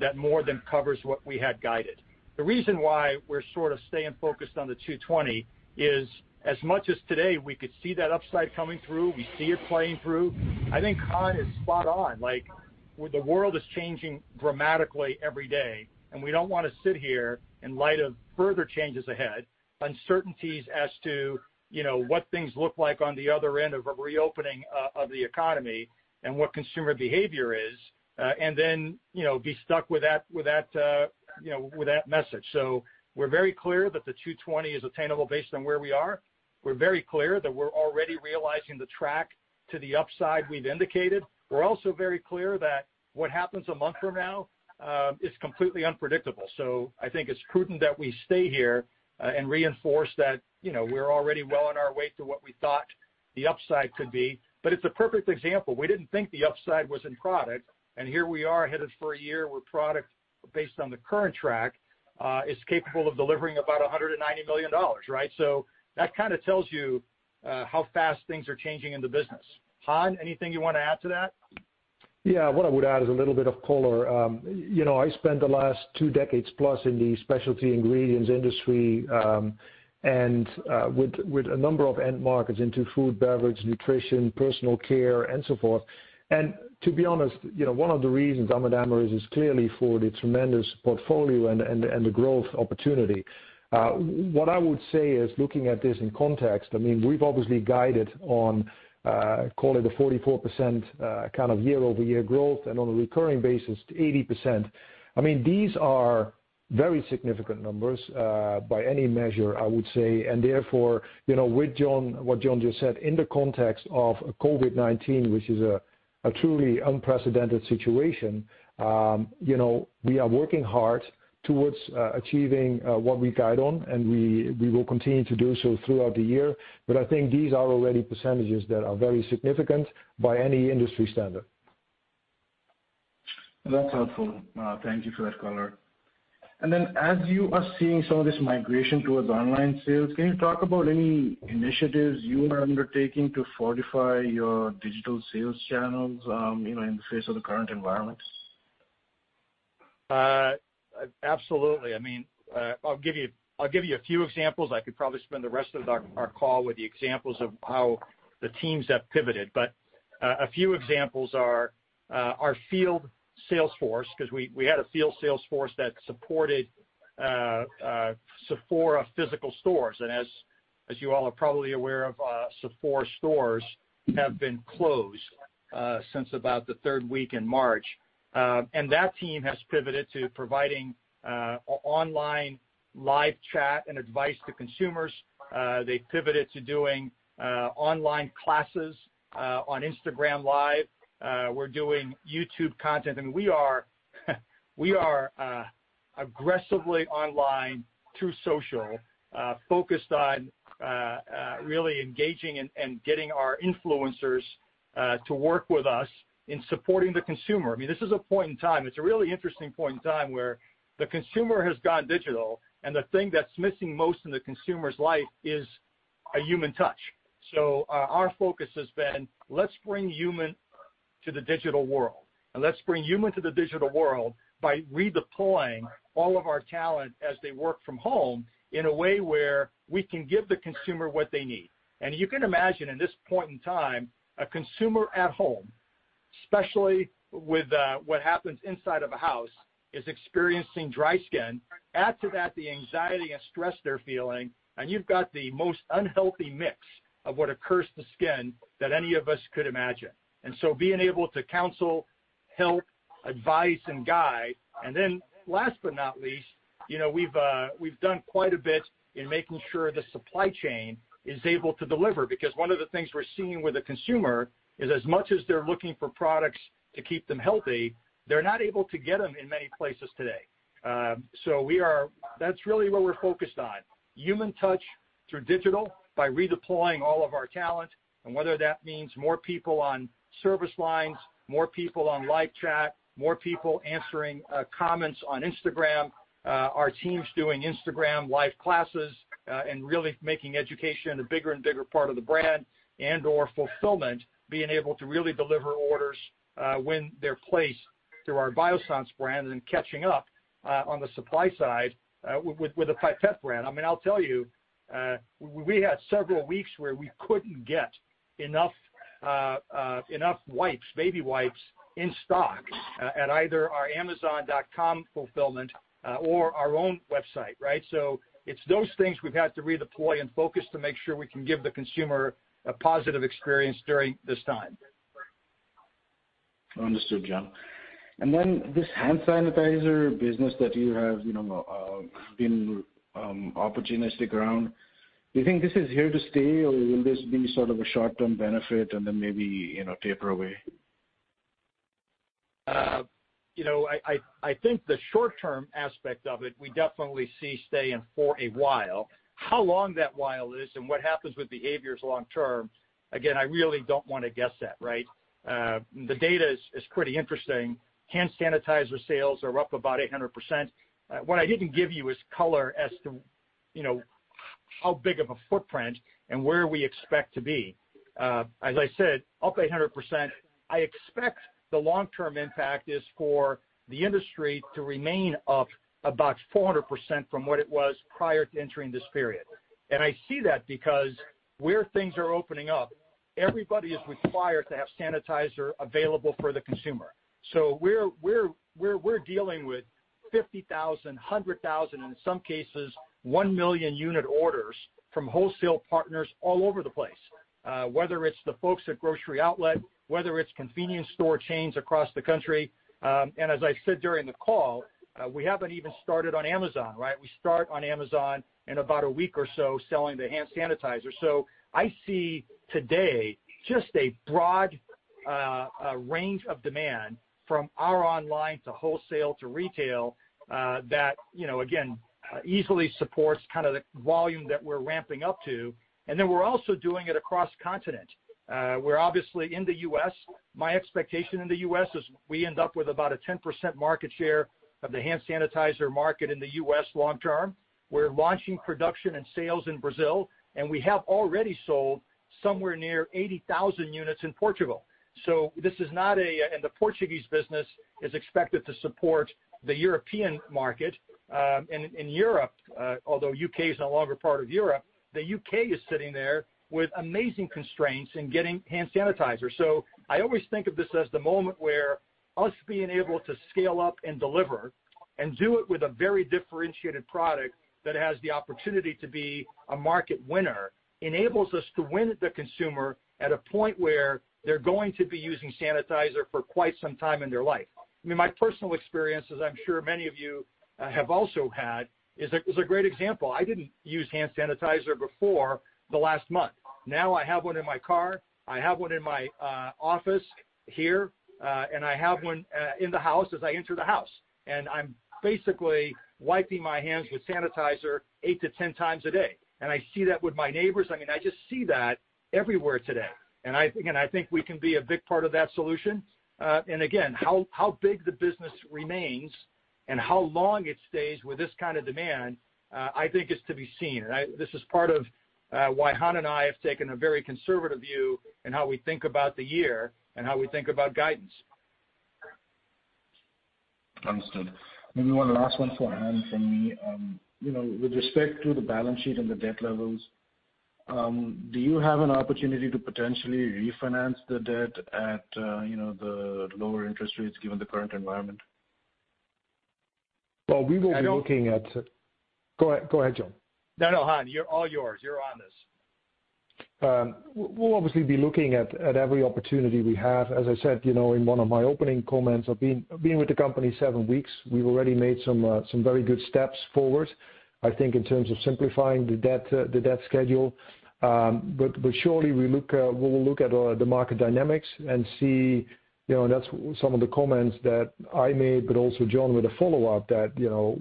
that more than covers what we had guided. The reason why we're sort of staying focused on the 220 is as much as today we could see that upside coming through, we see it playing through. I think Han is spot on. The world is changing dramatically every day, and we don't want to sit here in light of further changes ahead, uncertainties as to what things look like on the other end of a reopening of the economy and what consumer behavior is, and then be stuck with that message, so we're very clear that the 220 is attainable based on where we are. We're very clear that we're already realizing the track to the upside we've indicated. We're also very clear that what happens a month from now is completely unpredictable. So I think it's prudent that we stay here and reinforce that we're already well on our way to what we thought the upside could be. But it's a perfect example. We didn't think the upside was in product. And here we are headed for a year where product, based on the current track, is capable of delivering about $190 million, right? So that kind of tells you how fast things are changing in the business. Han, anything you want to add to that? Yeah, what I would add is a little bit of color. I spent the last two decades plus in the specialty ingredients industry and with a number of end markets into food, beverage, nutrition, personal care, and so forth. To be honest, one of the reasons Amyris is clearly for the tremendous portfolio and the growth opportunity. What I would say is, looking at this in context, I mean, we've obviously guided on, call it a 44% kind of year-over-year growth and on a recurring basis, 80%. I mean, these are very significant numbers by any measure, I would say. And therefore, with what John just said, in the context of COVID-19, which is a truly unprecedented situation, we are working hard towards achieving what we guide on, and we will continue to do so throughout the year. But I think these are already percentages that are very significant by any industry standard. That's helpful. Thank you for that, Colin. Then as you are seeing some of this migration towards online sales, can you talk about any initiatives you are undertaking to fortify your digital sales channels in the face of the current environment? Absolutely. I mean, I'll give you a few examples. I could probably spend the rest of our call with the examples of how the teams have pivoted. But a few examples are our field salesforce because we had a field salesforce that supported Sephora physical stores. And as you all are probably aware of, Sephora stores have been closed since about the third week in March. And that team has pivoted to providing online live chat and advice to consumers. They pivoted to doing online classes on Instagram Live. We're doing YouTube content. I mean, we are aggressively online through social, focused on really engaging and getting our influencers to work with us in supporting the consumer. I mean, this is a point in time. It's a really interesting point in time where the consumer has gone digital. And the thing that's missing most in the consumer's life is a human touch. So our focus has been, let's bring human to the digital world. And let's bring human to the digital world by redeploying all of our talent as they work from home in a way where we can give the consumer what they need. And you can imagine at this point in time, a consumer at home, especially with what happens inside of a house, is experiencing dry skin. Add to that the anxiety and stress they're feeling. You've got the most unhealthy mix of what occurs to skin that any of us could imagine, and so being able to counsel, help, advise, and guide. Then last but not least, we've done quite a bit in making sure the supply chain is able to deliver. Because one of the things we're seeing with the consumer is as much as they're looking for products to keep them healthy, they're not able to get them in many places today. That's really what we're focused on: human touch through digital by redeploying all of our talent. Whether that means more people on service lines, more people on live chat, more people answering comments on Instagram, our teams doing Instagram live classes, and really making education a bigger and bigger part of the brand and/or fulfillment, being able to really deliver orders when they're placed through our Biossance brand and catching up on the supply side with the Pipette brand. I mean, I'll tell you, we had several weeks where we couldn't get enough wipes, baby wipes, in stock at either our Amazon.com fulfillment or our own website, right? So it's those things we've had to redeploy and focus to make sure we can give the consumer a positive experience during this time. Understood, John. And then this hand sanitizer business that you have been opportunistic around, do you think this is here to stay, or will this be sort of a short-term benefit and then maybe taper away? I think the short-term aspect of it, we definitely see staying for a while. How long that while is and what happens with behaviors long-term, again, I really don't want to guess that, right? The data is pretty interesting. Hand sanitizer sales are up about 800%. What I didn't give you is color as to how big of a footprint and where we expect to be. As I said, up 800%. I expect the long-term impact is for the industry to remain up about 400% from what it was prior to entering this period. And I see that because where things are opening up, everybody is required to have sanitizer available for the consumer. We're dealing with 50,000, 100,000, and in some cases, 1 million unit orders from wholesale partners all over the place, whether it's the folks at Grocery Outlet, whether it's convenience store chains across the country. And as I said during the call, we haven't even started on Amazon, right? We start on Amazon in about a week or so selling the hand sanitizer. So I see today just a broad range of demand from our online to wholesale to retail that, again, easily supports kind of the volume that we're ramping up to. And then we're also doing it across continent. We're obviously in the U.S. My expectation in the U.S. is we end up with about a 10% market share of the hand sanitizer market in the U.S. long-term. We're launching production and sales in Brazil. And we have already sold somewhere near 80,000 units in Portugal. This is not a—and the Portuguese business is expected to support the European market. In Europe, although the U.K. is no longer part of Europe, the U.K. is sitting there with amazing constraints in getting hand sanitizer. I always think of this as the moment where us being able to scale up and deliver and do it with a very differentiated product that has the opportunity to be a market winner enables us to win the consumer at a point where they're going to be using sanitizer for quite some time in their life. I mean, my personal experience, as I'm sure many of you have also had, is a great example. I didn't use hand sanitizer before the last month. Now I have one in my car. I have one in my office here. And I have one in the house as I enter the house. And I'm basically wiping my hands with sanitizer eight to 10 times a day. And I see that with my neighbors. I mean, I just see that everywhere today. And again, I think we can be a big part of that solution. And again, how big the business remains and how long it stays with this kind of demand, I think, is to be seen. And this is part of why Han and I have taken a very conservative view in how we think about the year and how we think about guidance. Understood. Maybe one last one for Han from me. With respect to the balance sheet and the debt levels, do you have an opportunity to potentially refinance the debt at the lower interest rates given the current environment? Well, we will be looking at. Go ahead, John. No, no, Han, you're all yours. You're on this. We'll obviously be looking at every opportunity we have. As I said in one of my opening comments, being with the company seven weeks, we've already made some very good steps forward, I think, in terms of simplifying the debt schedule. But surely we will look at the market dynamics and see, and that's some of the comments that I made, but also John, with a follow-up that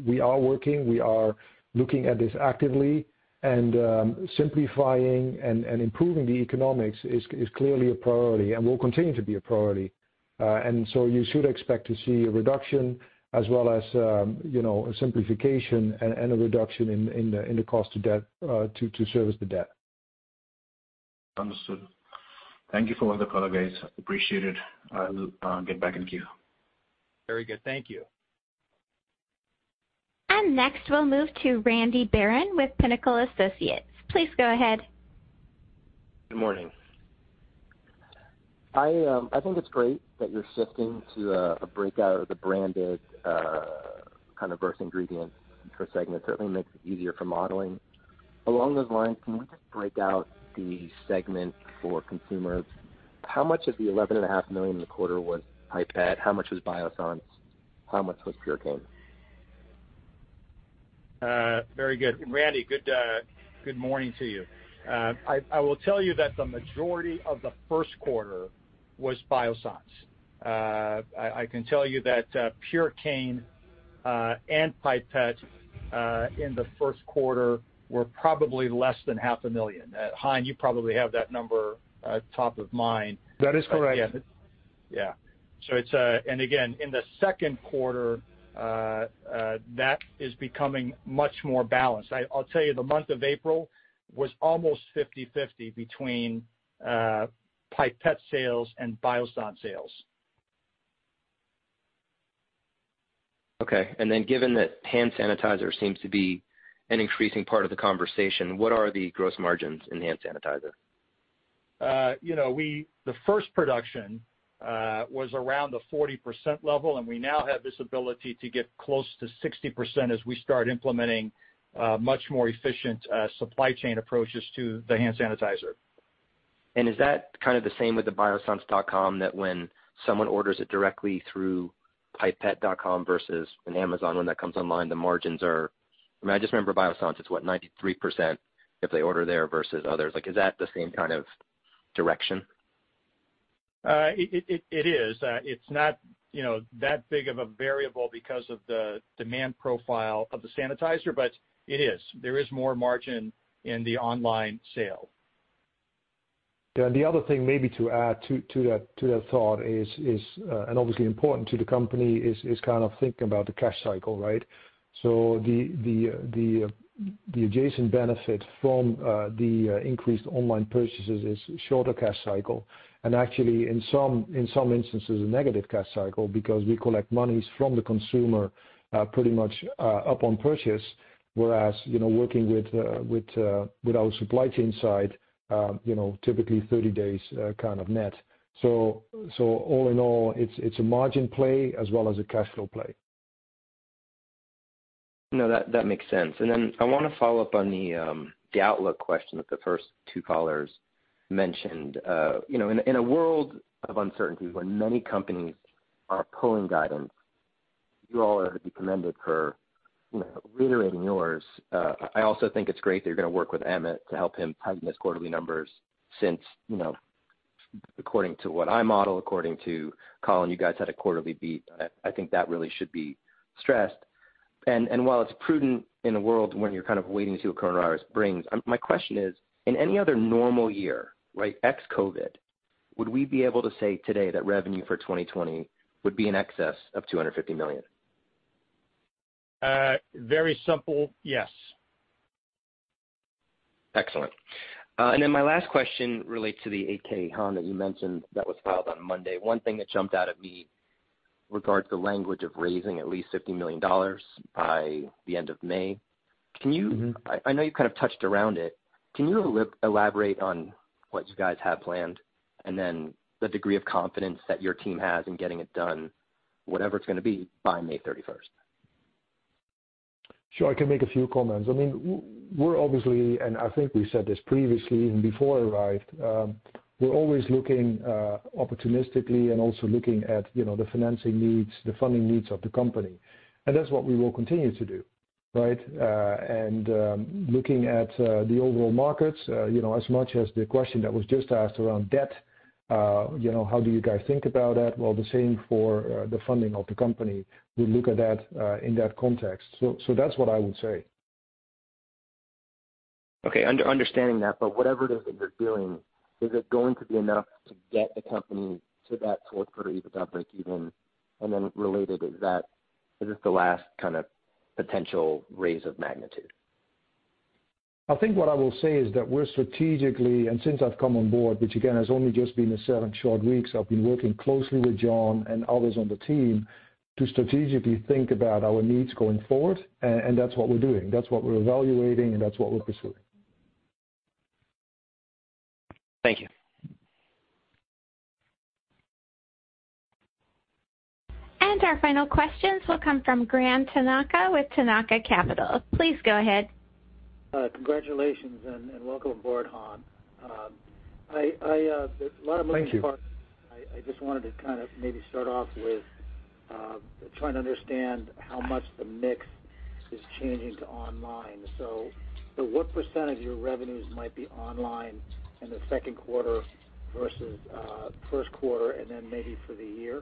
we are working. We are looking at this actively. And simplifying and improving the economics is clearly a priority and will continue to be a priority. And so you should expect to see a reduction as well as a simplification and a reduction in the cost of debt to service the debt. Understood. Thank you for all the collaborations. Appreciate it. I'll get back in queue. Very good. Thank you. And next, we'll move to Randy Baron with Pinnacle Associates. Please go ahead. Good morning. I think it's great that you're shifting to a breakout of the branded kind of versus ingredients for segments. Certainly makes it easier for modeling. Along those lines, can we just break out the segment for consumers? How much of the $11.5 million in the quarter was Pipette? How much was Biossance? How much was Purecane? Very good. Randy, good morning to you. I will tell you that the majority of the first quarter was Biossance. I can tell you that Purecane and Pipette in the first quarter were probably less than $500,000. Han, you probably have that number top of mind. That is correct. Yeah. And again, in the second quarter, that is becoming much more balanced. I'll tell you, the month of April was almost 50/50 between Pipette sales and Biossance sales. Okay. And then given that hand sanitizer seems to be an increasing part of the conversation, what are the gross margins in hand sanitizer? The first production was around the 40% level. And we now have this ability to get close to 60% as we start implementing much more efficient supply chain approaches to the hand sanitizer. And is that kind of the same with the Biossance.com that when someone orders it directly through Pipette.com versus an Amazon, when that comes online, the margins are - I mean, I just remember Biossance, it's what, 93% if they order there versus others. Is that the same kind of direction? It is. It's not that big of a variable because of the demand profile of the sanitizer, but it is. There is more margin in the online sale. Yeah. And the other thing, maybe to add to that thought, is, and obviously important to the company, kind of thinking about the cash cycle, right? So the adjacent benefit from the increased online purchases is shorter cash cycle. And actually, in some instances, a negative cash cycle because we collect monies from the consumer pretty much up on purchase, whereas working with our supply chain side, typically 30 days kind of net. So all in all, it's a margin play as well as a cash flow play. No, that makes sense. And then I want to follow up on the outlook question that the first two callers mentioned. In a world of uncertainty where many companies are pulling guidance, you all are to be commended for reiterating yours. I also think it's great that you're going to work with Amit to help him tighten his quarterly numbers since, according to what I model, according to Colin, you guys had a quarterly beat. I think that really should be stressed. And while it's prudent in a world when you're kind of waiting to see what coronavirus brings, my question is, in any other normal year, right, ex-COVID, would we be able to say today that revenue for 2020 would be in excess of 250 million? Very simple, yes. Excellent. And then my last question relates to the 8-K, Han, that you mentioned that was filed on Monday. One thing that jumped out at me regards the language of raising at least $50 million by the end of May. I know you kind of touched around it. Can you elaborate on what you guys have planned and then the degree of confidence that your team has in getting it done, whatever it's going to be, by May 31st? Sure. I can make a few comments. I mean, we're obviously, and I think we said this previously even before I arrived, we're always looking opportunistically and also looking at the financing needs, the funding needs of the company. And that's what we will continue to do, right? And looking at the overall markets, as much as the question that was just asked around debt, how do you guys think about that? Well, the same for the funding of the company. We'll look at that in that context. So that's what I would say. Okay. Understanding that, but whatever it is that you're doing, is it going to be enough to get the company to that fourth quarter breakeven? And then, related, is this the last kind of potential raise of magnitude? I think what I will say is that we're strategically and since I've come on board, which again has only just been seven short weeks, I've been working closely with John and others on the team to strategically think about our needs going forward. And that's what we're doing. That's what we're evaluating, and that's what we're pursuing. Thank you. And our final questions will come from Graham Tanaka with Tanaka Capital. Please go ahead. Congratulations and welcome aboard, Han. A lot of moving parts. Thank you. I just wanted to kind of maybe start off with trying to understand how much the mix is changing to online. So what % of your revenues might be online in the second quarter versus first quarter and then maybe for the year?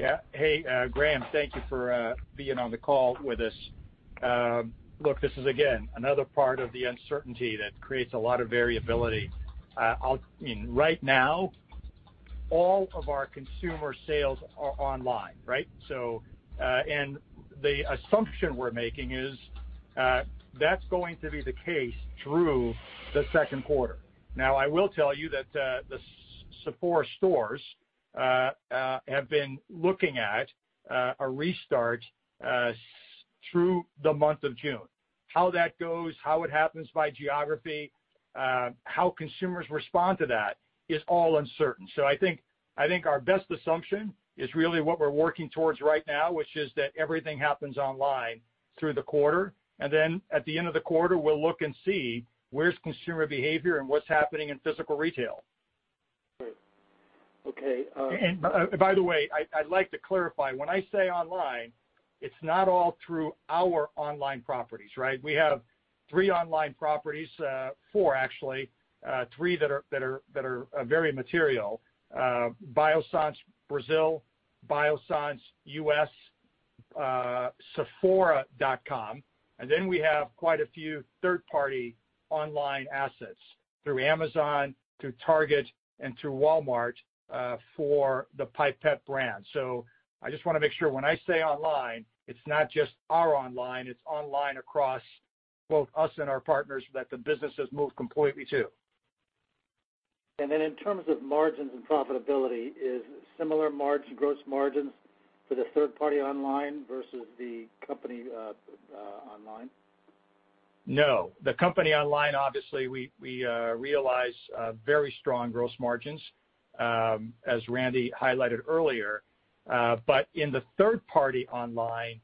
Yeah. Hey, Graham, thank you for being on the call with us. Look, this is, again, another part of the uncertainty that creates a lot of variability. Right now, all of our consumer sales are online, right, and the assumption we're making is that's going to be the case through the second quarter. Now, I will tell you that the Sephora stores have been looking at a restart through the month of June. How that goes, how it happens by geography, how consumers respond to that is all uncertain, so I think our best assumption is really what we're working towards right now, which is that everything happens online through the quarter. And then at the end of the quarter, we'll look and see where's consumer behavior and what's happening in physical retail. Okay, and by the way, I'd like to clarify. When I say online, it's not all through our online properties, right? We have three online properties, four actually, three that are very material: Biossance Brazil, Biossance US, Sephora.com. And then we have quite a few third-party online assets through Amazon, through Target, and through Walmart for the Pipette brand. So I just want to make sure when I say online, it's not just our online, it's online across both us and our partners that the business has moved completely to. And then in terms of margins and profitability, is similar gross margins for the third-party online versus the company online? No. The company online, obviously, we realize very strong gross margins as Randy highlighted earlier. But in the third-party online,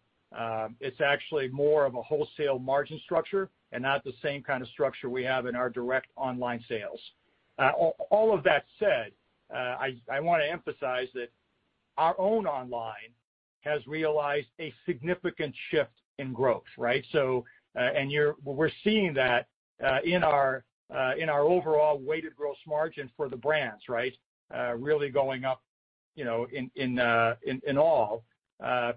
it's actually more of a wholesale margin structure and not the same kind of structure we have in our direct online sales. All of that said, I want to emphasize that our own online has realized a significant shift in growth, right? And we're seeing that in our overall weighted gross margin for the brands, right? Really going up in all,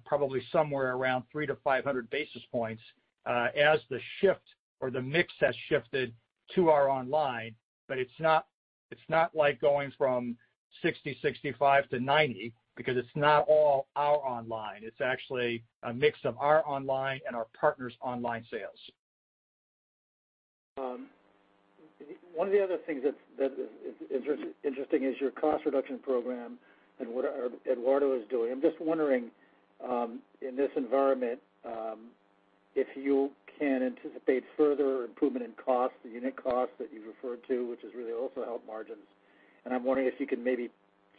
probably somewhere around three to 500 basis points as the shift or the mix has shifted to our online. But it's not like going from 60, 65 to 90 because it's not all our online. It's actually a mix of our online and our partner's online sales. One of the other things that is interesting is your cost reduction program and what Eduardo is doing. I'm just wondering, in this environment, if you can anticipate further improvement in cost, the unit cost that you've referred to, which has really also helped margins. I'm wondering if you can maybe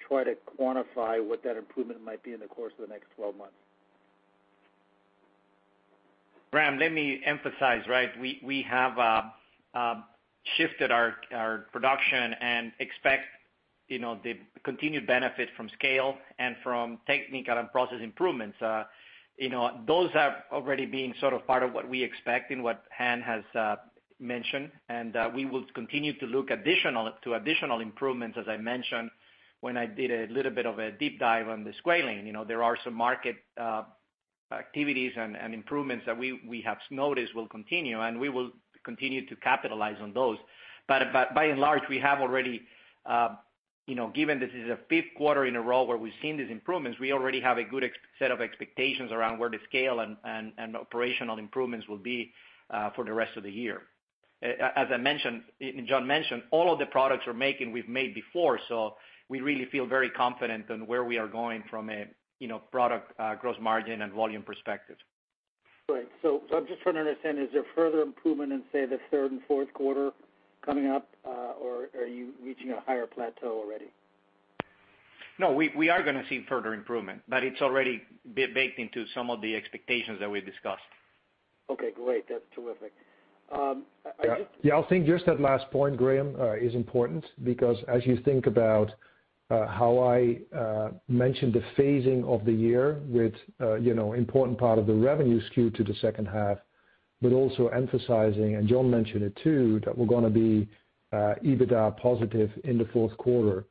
try to quantify what that improvement might be in the course of the next 12 months. Graham, let me emphasize, right? We have shifted our production and expect the continued benefit from scale and from technical and process improvements. Those have already been sort of part of what we expect and what Han has mentioned. We will continue to look to additional improvements, as I mentioned when I did a little bit of a deep dive on the squalane. There are some market activities and improvements that we have noticed will continue, and we will continue to capitalize on those. But by and large, we have already, given this is a fifth quarter in a row where we've seen these improvements, we already have a good set of expectations around where the scale and operational improvements will be for the rest of the year. As I mentioned, John mentioned, all of the products we're making, we've made before. So we really feel very confident on where we are going from a product gross margin and volume perspective. Right. So I'm just trying to understand, is there further improvement in, say, the third and fourth quarter coming up, or are you reaching a higher plateau already? No, we are going to see further improvement, but it's already baked into some of the expectations that we discussed. Okay. Great. That's terrific. Yeah. I think just that last point, Graham, is important because as you think about how I mentioned the phasing of the year with an important part of the revenue skew to the second half, but also emphasizing, and John mentioned it too, that we're going to be EBITDA positive in the fourth quarter.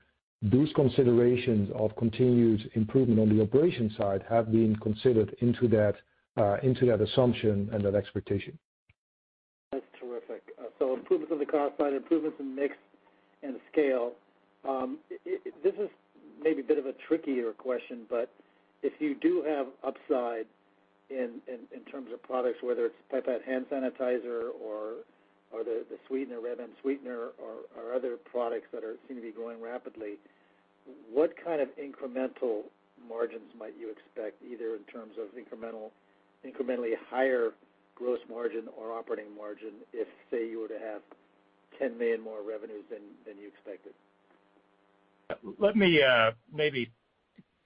Those considerations of continued improvement on the operation side have been considered into that assumption and that expectation. That's terrific. So improvements on the cost side, improvements in mix and scale. This is maybe a bit of a trickier question, but if you do have upside in terms of products, whether it's Pipette hand sanitizer or the sweetener, Reb M sweetener, or other products that seem to be growing rapidly, what kind of incremental margins might you expect, either in terms of incrementally higher gross margin or operating margin if, say, you were to have $10 million more revenues than you expected? Let me maybe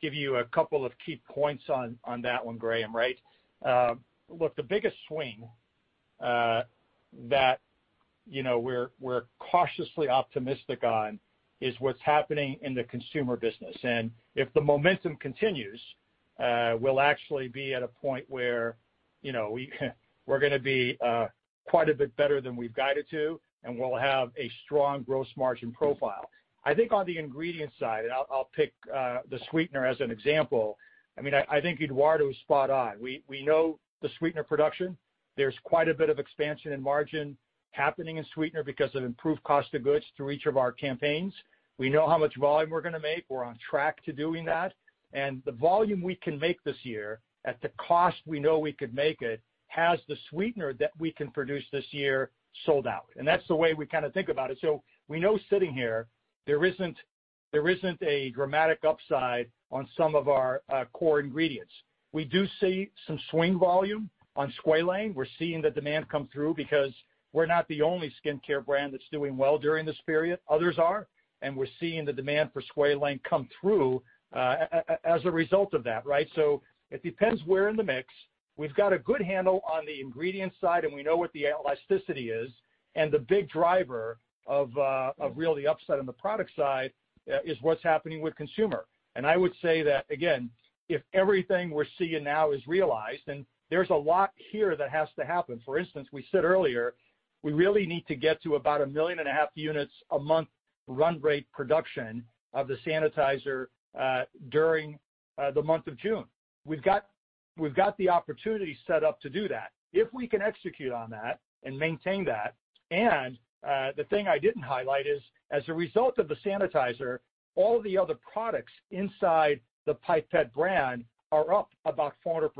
give you a couple of key points on that one, Graham, right? Look, the biggest swing that we're cautiously optimistic on is what's happening in the consumer business, and if the momentum continues, we'll actually be at a point where we're going to be quite a bit better than we've guided to, and we'll have a strong gross margin profile. I think on the ingredient side, and I'll pick the sweetener as an example. I mean, I think Eduardo is spot on. We know the sweetener production. There's quite a bit of expansion in margin happening in sweetener because of improved cost of goods through each of our campaigns. We know how much volume we're going to make. We're on track to doing that. And the volume we can make this year at the cost we know we could make it has the sweetener that we can produce this year sold out. And that's the way we kind of think about it. So we know sitting here, there isn't a dramatic upside on some of our core ingredients. We do see some swing volume on squalane. We're seeing the demand come through because we're not the only skincare brand that's doing well during this period. Others are. We're seeing the demand for squalane come through as a result of that, right? So it depends where in the mix. We've got a good handle on the ingredient side, and we know what the elasticity is. The big driver of really upside on the product side is what's happening with consumer. I would say that, again, if everything we're seeing now is realized, and there's a lot here that has to happen. For instance, we said earlier, we really need to get to about 1.5 million units a month run rate production of the sanitizer during the month of June. We've got the opportunity set up to do that. If we can execute on that and maintain that. The thing I didn't highlight is, as a result of the sanitizer, all the other products inside the Pipette brand are up about 400%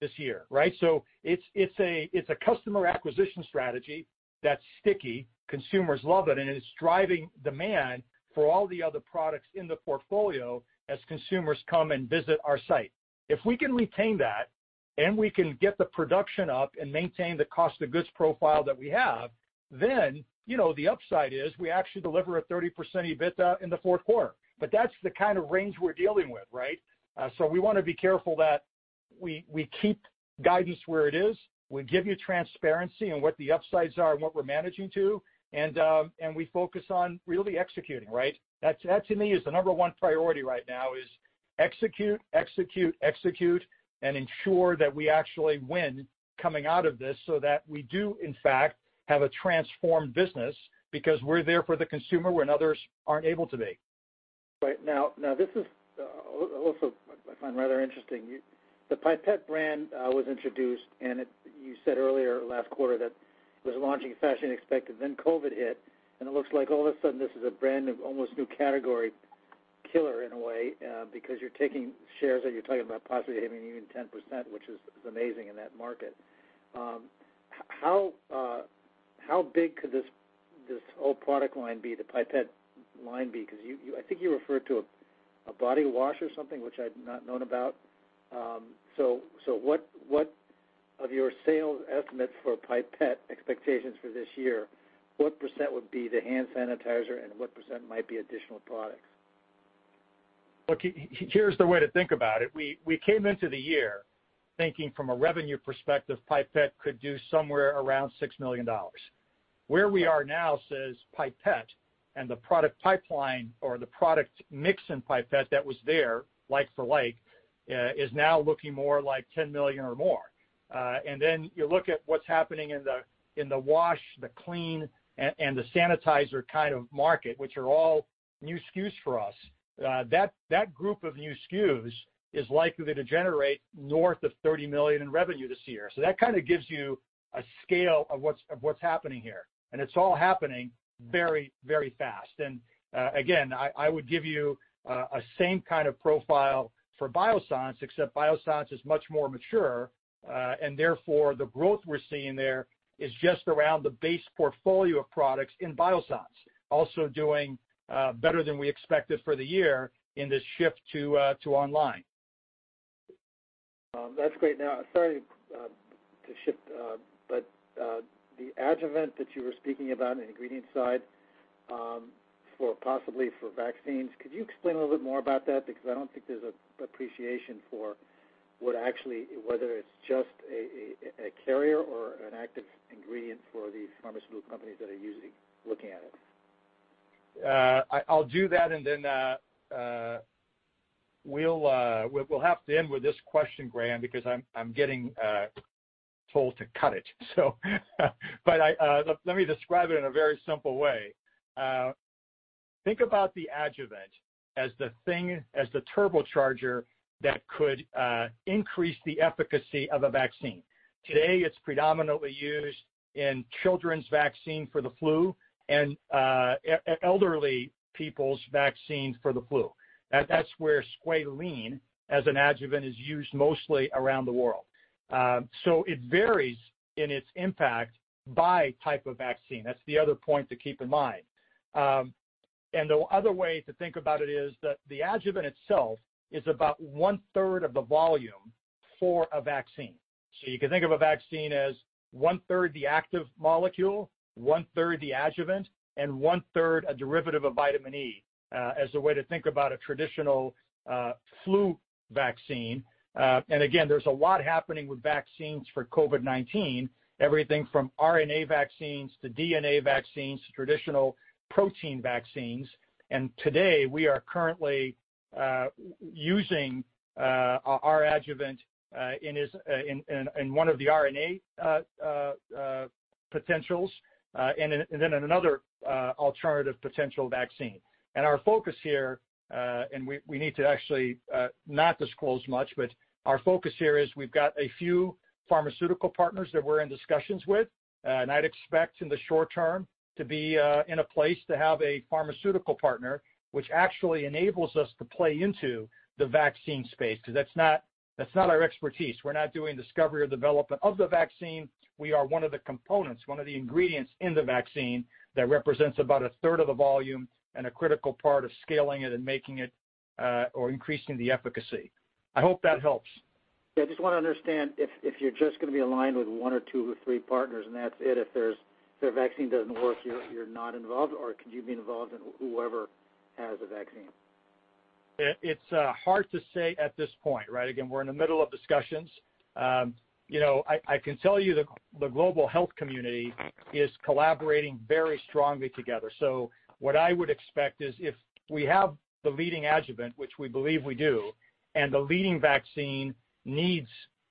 this year, right? So it's a customer acquisition strategy that's sticky. Consumers love it, and it's driving demand for all the other products in the portfolio as consumers come and visit our site. If we can retain that and we can get the production up and maintain the cost of goods profile that we have, then the upside is we actually deliver a 30% EBITDA in the fourth quarter. But that's the kind of range we're dealing with, right? So we want to be careful that we keep guidance where it is. We give you transparency on what the upsides are and what we're managing to. And we focus on really executing, right? That, to me, is the number one priority right now is execute, execute, execute, and ensure that we actually win coming out of this so that we do, in fact, have a transformed business because we're there for the consumer when others aren't able to be. Right. Now, this is also what I find rather interesting. The Pipette brand was introduced, and you said earlier last quarter that it was launching faster than expected. Then COVID hit, and it looks like all of a sudden this is a brand of almost new category killer in a way because you're taking shares that you're talking about possibly having even 10%, which is amazing in that market. How big could this whole product line be, the Pipette line be? Because I think you referred to a body wash or something, which I've not known about. So what of your sales estimate for Pipette expectations for this year, what % would be the hand sanitizer and what % might be additional products? Look, here's the way to think about it. We came into the year thinking from a revenue perspective Pipette could do somewhere around $6 million. Where we are now says Pipette and the product pipeline or the product mix in Pipette that was there like for like is now looking more like $10 million or more. And then you look at what's happening in the wash, the clean, and the sanitizer kind of market, which are all new SKUs for us. That group of new SKUs is likely to generate north of $30 million in revenue this year. So that kind of gives you a scale of what's happening here. And it's all happening very, very fast. And again, I would give you the same kind of profile for Biossance, except Biossance is much more mature. And therefore, the growth we're seeing there is just around the base portfolio of products in Biossance, also doing better than we expected for the year in this shift to online. That's great. Now, sorry to shift, but the adjuvant that you were speaking about on the ingredient side for possibly vaccines, could you explain a little bit more about that? Because I don't think there's an appreciation for whether it's just a carrier or an active ingredient for the pharmaceutical companies that are looking at it. I'll do that, and then we'll have to end with this question, Graham, because I'm getting told to cut it. But let me describe it in a very simple way. Think about the adjuvant as the turbocharger that could increase the efficacy of a vaccine. Today, it's predominantly used in children's vaccine for the flu and elderly people's vaccine for the flu. That's where squalene as an adjuvant is used mostly around the world. So it varies in its impact by type of vaccine. That's the other point to keep in mind. And the other way to think about it is that the adjuvant itself is about one-third of the volume for a vaccine. So you can think of a vaccine as one-third the active molecule, one-third the adjuvant, and one-third a derivative of vitamin E as a way to think about a traditional flu vaccine. And again, there's a lot happening with vaccines for COVID-19, everything from RNA vaccines to DNA vaccines to traditional protein vaccines. Today, we are currently using our adjuvant in one of the RNA potentials and then another alternative potential vaccine. Our focus here, and we need to actually not disclose much, but our focus here is we've got a few pharmaceutical partners that we're in discussions with. I'd expect in the short term to be in a place to have a pharmaceutical partner which actually enables us to play into the vaccine space because that's not our expertise. We're not doing discovery or development of the vaccine. We are one of the components, one of the ingredients in the vaccine that represents about a third of the volume and a critical part of scaling it and making it or increasing the efficacy. I hope that helps. Yeah. I just want to understand if you're just going to be aligned with one or two or three partners and that's it. If their vaccine doesn't work, you're not involved, or could you be involved in whoever has a vaccine? It's hard to say at this point, right? Again, we're in the middle of discussions. I can tell you the global health community is collaborating very strongly together. So what I would expect is if we have the leading adjuvant, which we believe we do, and the leading vaccine needs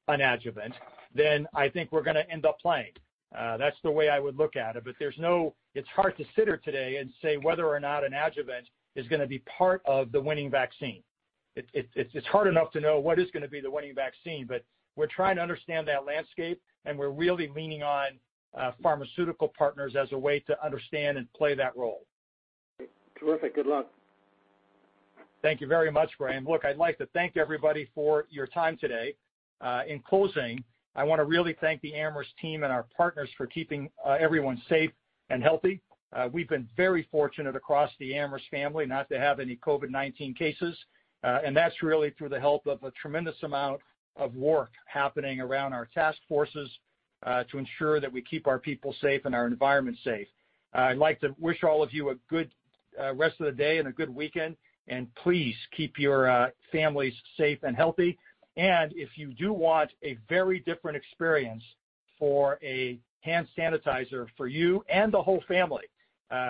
an adjuvant, then I think we're going to end up playing. That's the way I would look at it. But it's hard to sit here today and say whether or not an adjuvant is going to be part of the winning vaccine. It's hard enough to know what is going to be the winning vaccine, but we're trying to understand that landscape, and we're really leaning on pharmaceutical partners as a way to understand and play that role. Terrific. Good luck. Thank you very much, Graham. Look, I'd like to thank everybody for your time today. In closing, I want to really thank the Amyris team and our partners for keeping everyone safe and healthy. We've been very fortunate across the Amyris family not to have any COVID-19 cases. And that's really through the help of a tremendous amount of work happening around our task forces to ensure that we keep our people safe and our environment safe. I'd like to wish all of you a good rest of the day and a good weekend. And please keep your families safe and healthy. And if you do want a very different experience for a hand sanitizer for you and the whole family,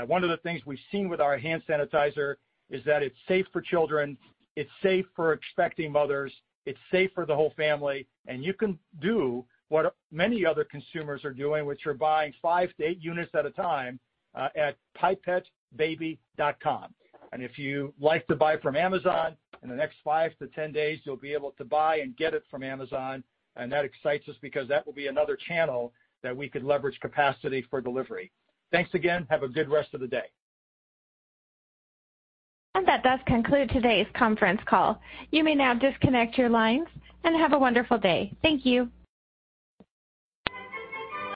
one of the things we've seen with our hand sanitizer is that it's safe for children. It's safe for expecting mothers. It's safe for the whole family. And you can do what many other consumers are doing, which are buying five to eight units at a time at pipettebaby.com. And if you like to buy from Amazon, in the next five to ten days, you'll be able to buy and get it from Amazon. And that excites us because that will be another channel that we could leverage capacity for delivery. Thanks again. Have a good rest of the day. And that does conclude today's conference call. You may now disconnect your lines and have a wonderful day. Thank you.